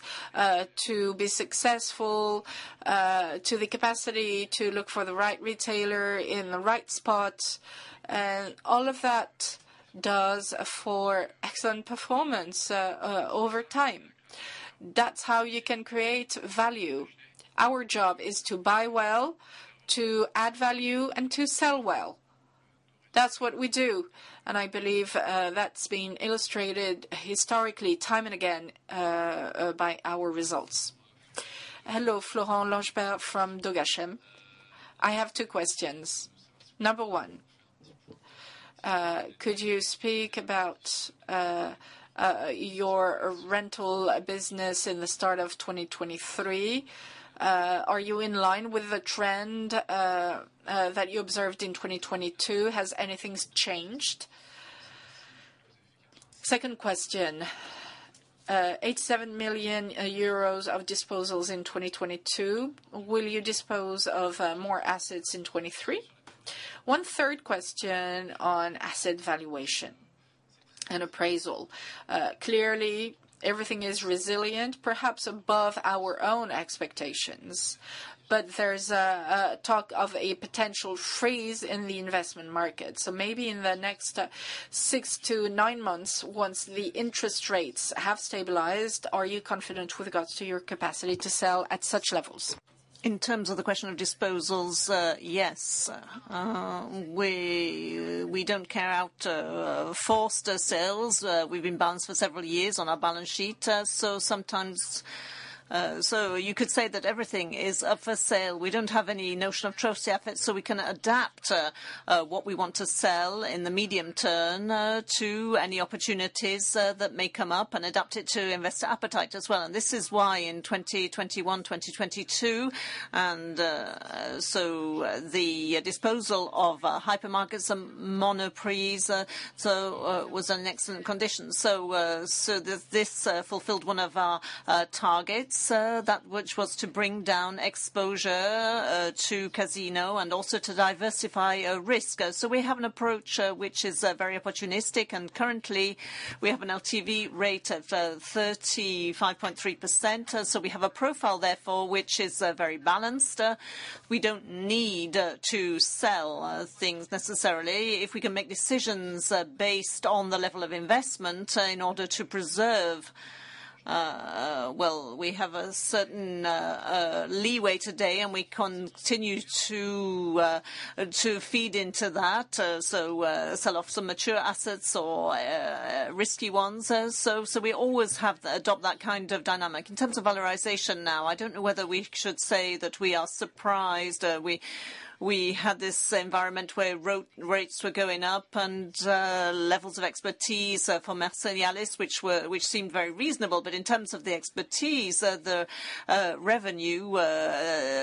Speaker 2: to be successful to the capacity to look for the right retailer in the right spot. All of that does for excellent performance over time. That's how you can create value. Our job is to buy well, to add value, and to sell well. That's what we do, and I believe that's been illustrated historically time and again by our results. Hello, Florent Laroche-Joubert from Dogalim. I have two questions. Number one, could you speak about your rental business in the start of 2023? Are you in line with the trend that you observed in 2022? Has anything's changed? Second question, 87 million euros of disposals in 2022. Will you dispose of more assets in 2023? One third question on asset valuation and appraisal. Clearly everything is resilient, perhaps above our own expectations, but there's a talk of a potential freeze in the investment market. Maybe in the next 6-9 months, once the interest rates have stabilized, are you confident with regards to your capacity to sell at such levels?
Speaker 3: In terms of the question of disposals, yes. We don't carry out forced sales. We've been balanced for several years on our balance sheet. Sometimes you could say that everything is up for sale. We don't have any notion of trophy assets, so we can adapt what we want to sell in the medium term to any opportunities that may come up and adapt it to investor appetite as well. This is why in 2021, 2022, the disposal of hypermarkets and Monoprix was in excellent condition. This fulfilled one of our targets, that which was to bring down exposure to Casino and also to diversify risk. We have an approach which is very opportunistic, and currently we have an LTV rate of 35.3%. We have a profile therefore which is very balanced. We don't need to sell things necessarily. If we can make decisions based on the level of investment in order to preserve, well, we have a certain leeway today, and we continue to feed into that, sell off some mature assets or risky ones. We always have adopt that kind of dynamic. In terms of valorization now, I don't know whether we should say that we are surprised. We had this environment where ro-rates were going up and levels of expertise from Mercialys, which seemed very reasonable. In terms of the expertise, the revenue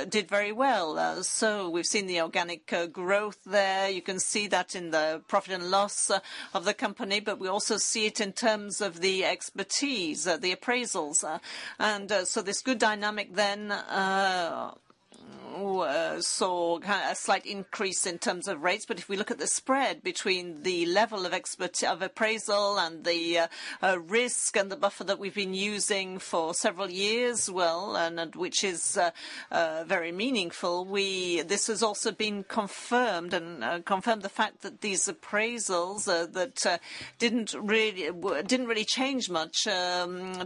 Speaker 3: did very well. We've seen the organic growth there. You can see that in the profit and loss of the company. We also see it in terms of the expertise, the appraisals. This good dynamic then saw a slight increase in terms of rates. If we look at the spread between the level of appraisal and the risk and the buffer that we've been using for several years, well, and which is very meaningful, we. This has also been confirmed, and confirmed the fact that these appraisals that didn't really change much,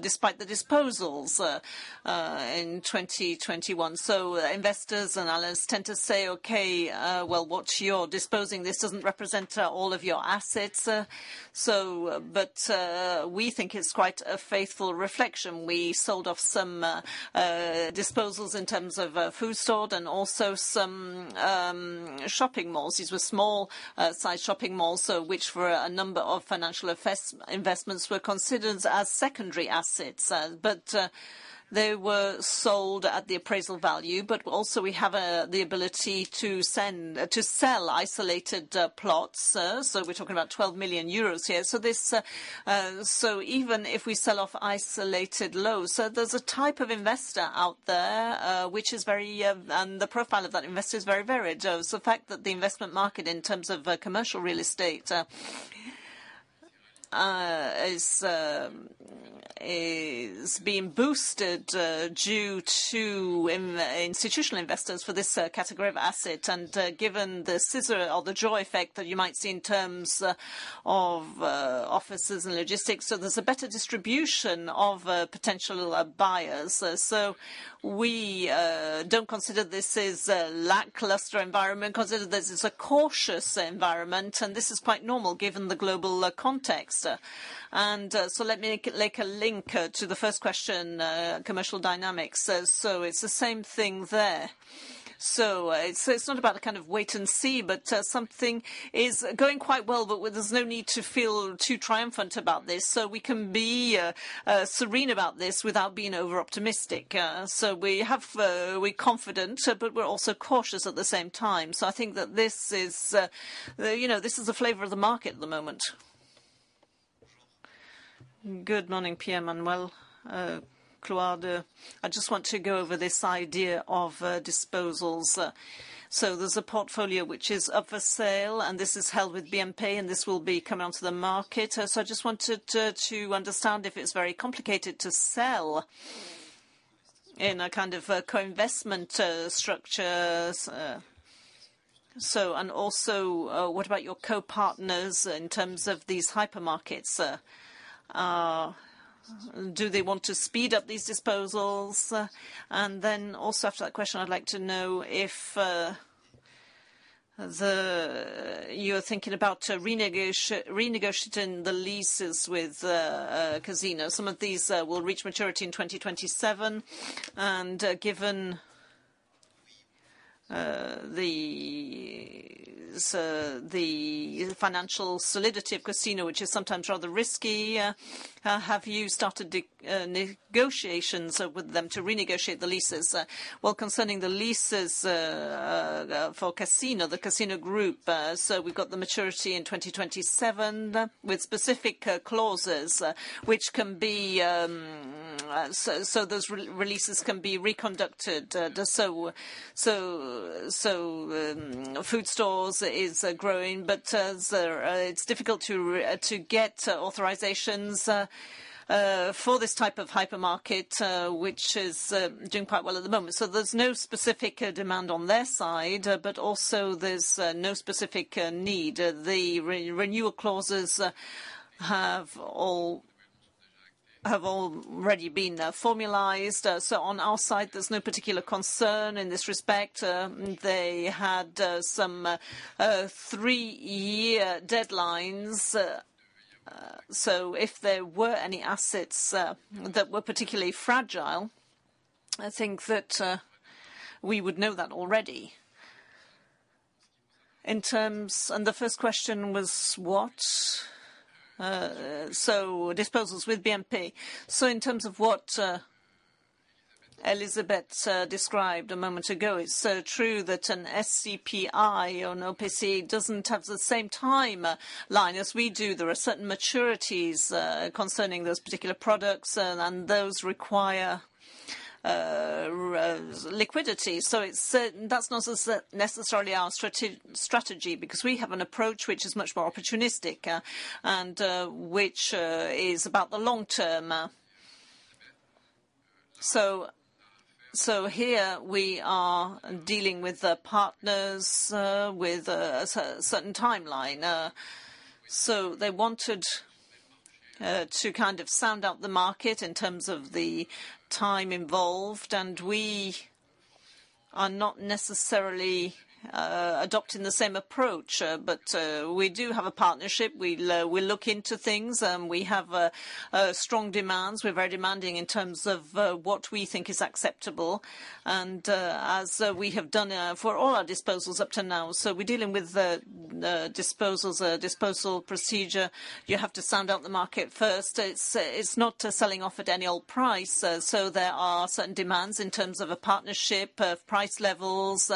Speaker 3: despite the disposals in 2021. Investors and analysts tend to say, "Okay, well, what you're disposing, this doesn't represent all of your assets." We think it's quite a faithful reflection. We sold off some disposals in terms of food store and also some shopping malls. These were small sized shopping malls, which were a number of financial investments were considered as secondary assets. They were sold at the appraisal value. We have the ability to send to sell isolated plots. We're talking about 12 million euros here. This even if we sell off isolated lows, there's a type of investor out there, which is very and the profile of that investor is very varied. The fact that the investment market in terms of commercial real estate is being boosted due to institutional investors for this category of asset, and given the scissor or the joy effect that you might see in terms of offices and logistics, there's a better distribution of potential buyers. We don't consider this as a lackluster environment, consider this as a cautious environment, and this is quite normal given the global context. Let me make a link to the first question, commercial dynamics. It's the same thing there. It's not about the kind of wait and see, but something is going quite well, but there's no need to feel too triumphant about this. We can be serene about this without being over-optimistic. We have, we're confident, but we're also cautious at the same time. I think that this is, you know, this is the flavor of the market at the moment. Good morning, Pierre-Emmanuel. Claude. I just want to go over this idea of disposals. There's a portfolio which is up for sale, and this is held with BNP, and this will be coming onto the market. I just wanted to understand if it's very complicated to sell in a kind of a co-investment structures. What about your co-partners in terms of these hypermarkets? Do they want to speed up these disposals? After that question, I'd like to know if the... You're thinking about renegotiating the leases with Casino. Some of these will reach maturity in 2027. Given the financial solidity of Casino, which is sometimes rather risky, have you started negotiations with them to renegotiate the leases? Concerning the leases for Casino, the Casino Group, we've got the maturity in 2027 with specific clauses, which can be so those re-releases can be reconducted. Food stores is growing, but it's difficult to get authorizations for this type of hypermarket, which is doing quite well at the moment. There's no specific demand on their side, but also there's no specific need. The re-renewal clauses have already been formalized. On our side, there's no particular concern in this respect. They had some three-year deadlines. If there were any assets that were particularly fragile, I think that we would know that already. The first question was what? Disposals with BNP. In terms of what Elisabeth described a moment ago, it's so true that an SCPI on OPC doesn't have the same timeline as we do. There are certain maturities concerning those particular products and those require liquidity. It's that's not as necessarily our strategy, because we have an approach which is much more opportunistic and which is about the long term. Here we are dealing with the partners, with a certain timeline. They wanted to kind of sound out the market in terms of the time involved, and we are not necessarily adopting the same approach. We do have a partnership. We'll look into things. We have strong demands. We're very demanding in terms of what we think is acceptable and as we have done for all our disposals up to now. We're dealing with disposals, a disposal procedure. You have to sound out the market first. It's not selling off at any old price, there are certain demands in terms of a partnership, of price levels.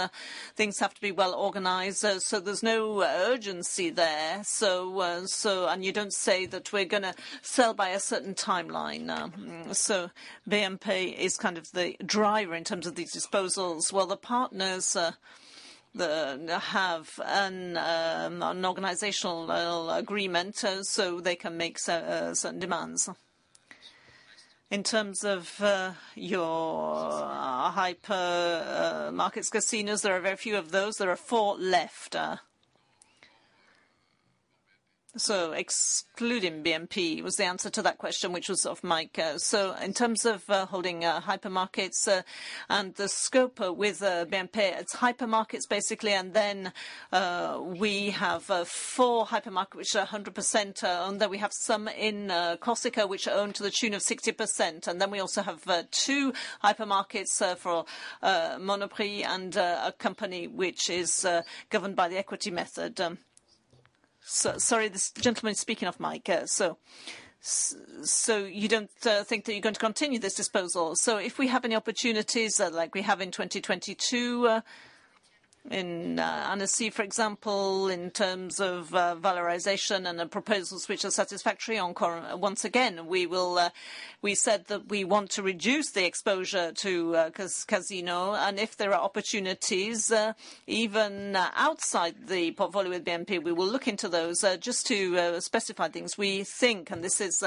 Speaker 3: Things have to be well-organized, there's no urgency there. You don't say that we're gonna sell by a certain timeline. BNP is kind of the driver in terms of these disposals, while the partners, the, have an organizational agreement, so they can make certain demands. In terms of your hypermarkets Casino, there are very few of those. There are four left. Excluding BNP was the answer to that question, which was of Mike. In terms of holding hypermarkets, and the scope with BNP, it's hypermarkets basically. Then we have four hypermarket which are 100% owned, then we have some in Corsica which are owned to the tune of 60%, and then we also have two hypermarkets for Monoprix and a company which is governed by the equity method. Sorry, this gentleman is speaking off mic. So you don't think that you're going to continue this disposal. If we have any opportunities, like we have in 2022, in Annecy, for example, in terms of valorization and the proposals which are satisfactory on current. Once again, we will, we said that we want to reduce the exposure to Casino. If there are opportunities, even outside the portfolio with BNP, we will look into those. Just to specify things, we think, and this is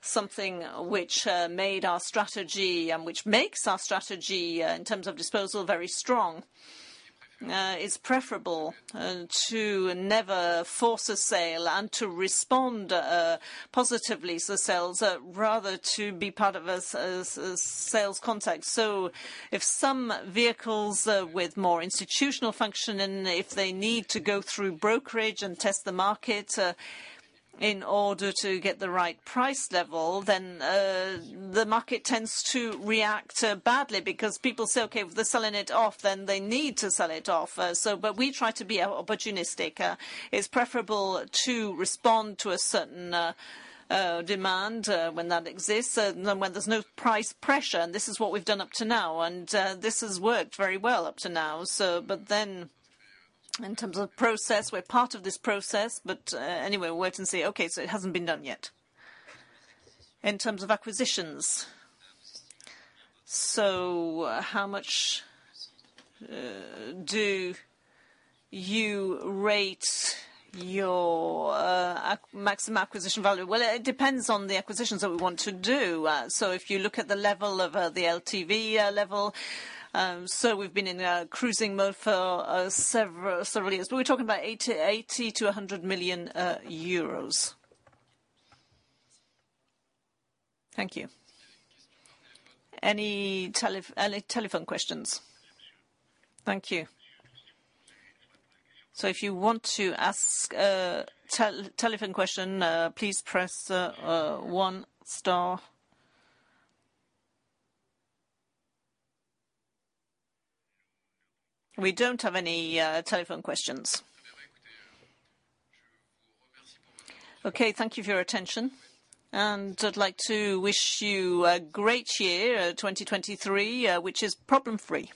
Speaker 3: something which made our strategy and which makes our strategy in terms of disposal, very strong, it's preferable to never force a sale and to respond positively to sales, rather to be part of a sales contact. If some vehicles with more institutional function and if they need to go through brokerage and test the market in order to get the right price level, then the market tends to react badly because people say, "Okay, if they're selling it off, then they need to sell it off," but we try to be opportunistic. It's preferable to respond to a certain demand when that exists than when there's no price pressure, and this is what we've done up to now. This has worked very well up to now. In terms of process, we're part of this process. Anyway, we'll wait and see. It hasn't been done yet. In terms of acquisitions, how much do you rate your maximum acquisition value? Well, it depends on the acquisitions that we want to do. If you look at the level of the LTV level, we've been in cruising mode for several years. We're talking about 80 million-100 million euros. Thank you. Any telephone questions? Thank you. If you want to ask a telephone question, please press one star. We don't have any telephone questions. Okay, thank you for your attention. I'd like to wish you a great year 2023, which is problem free.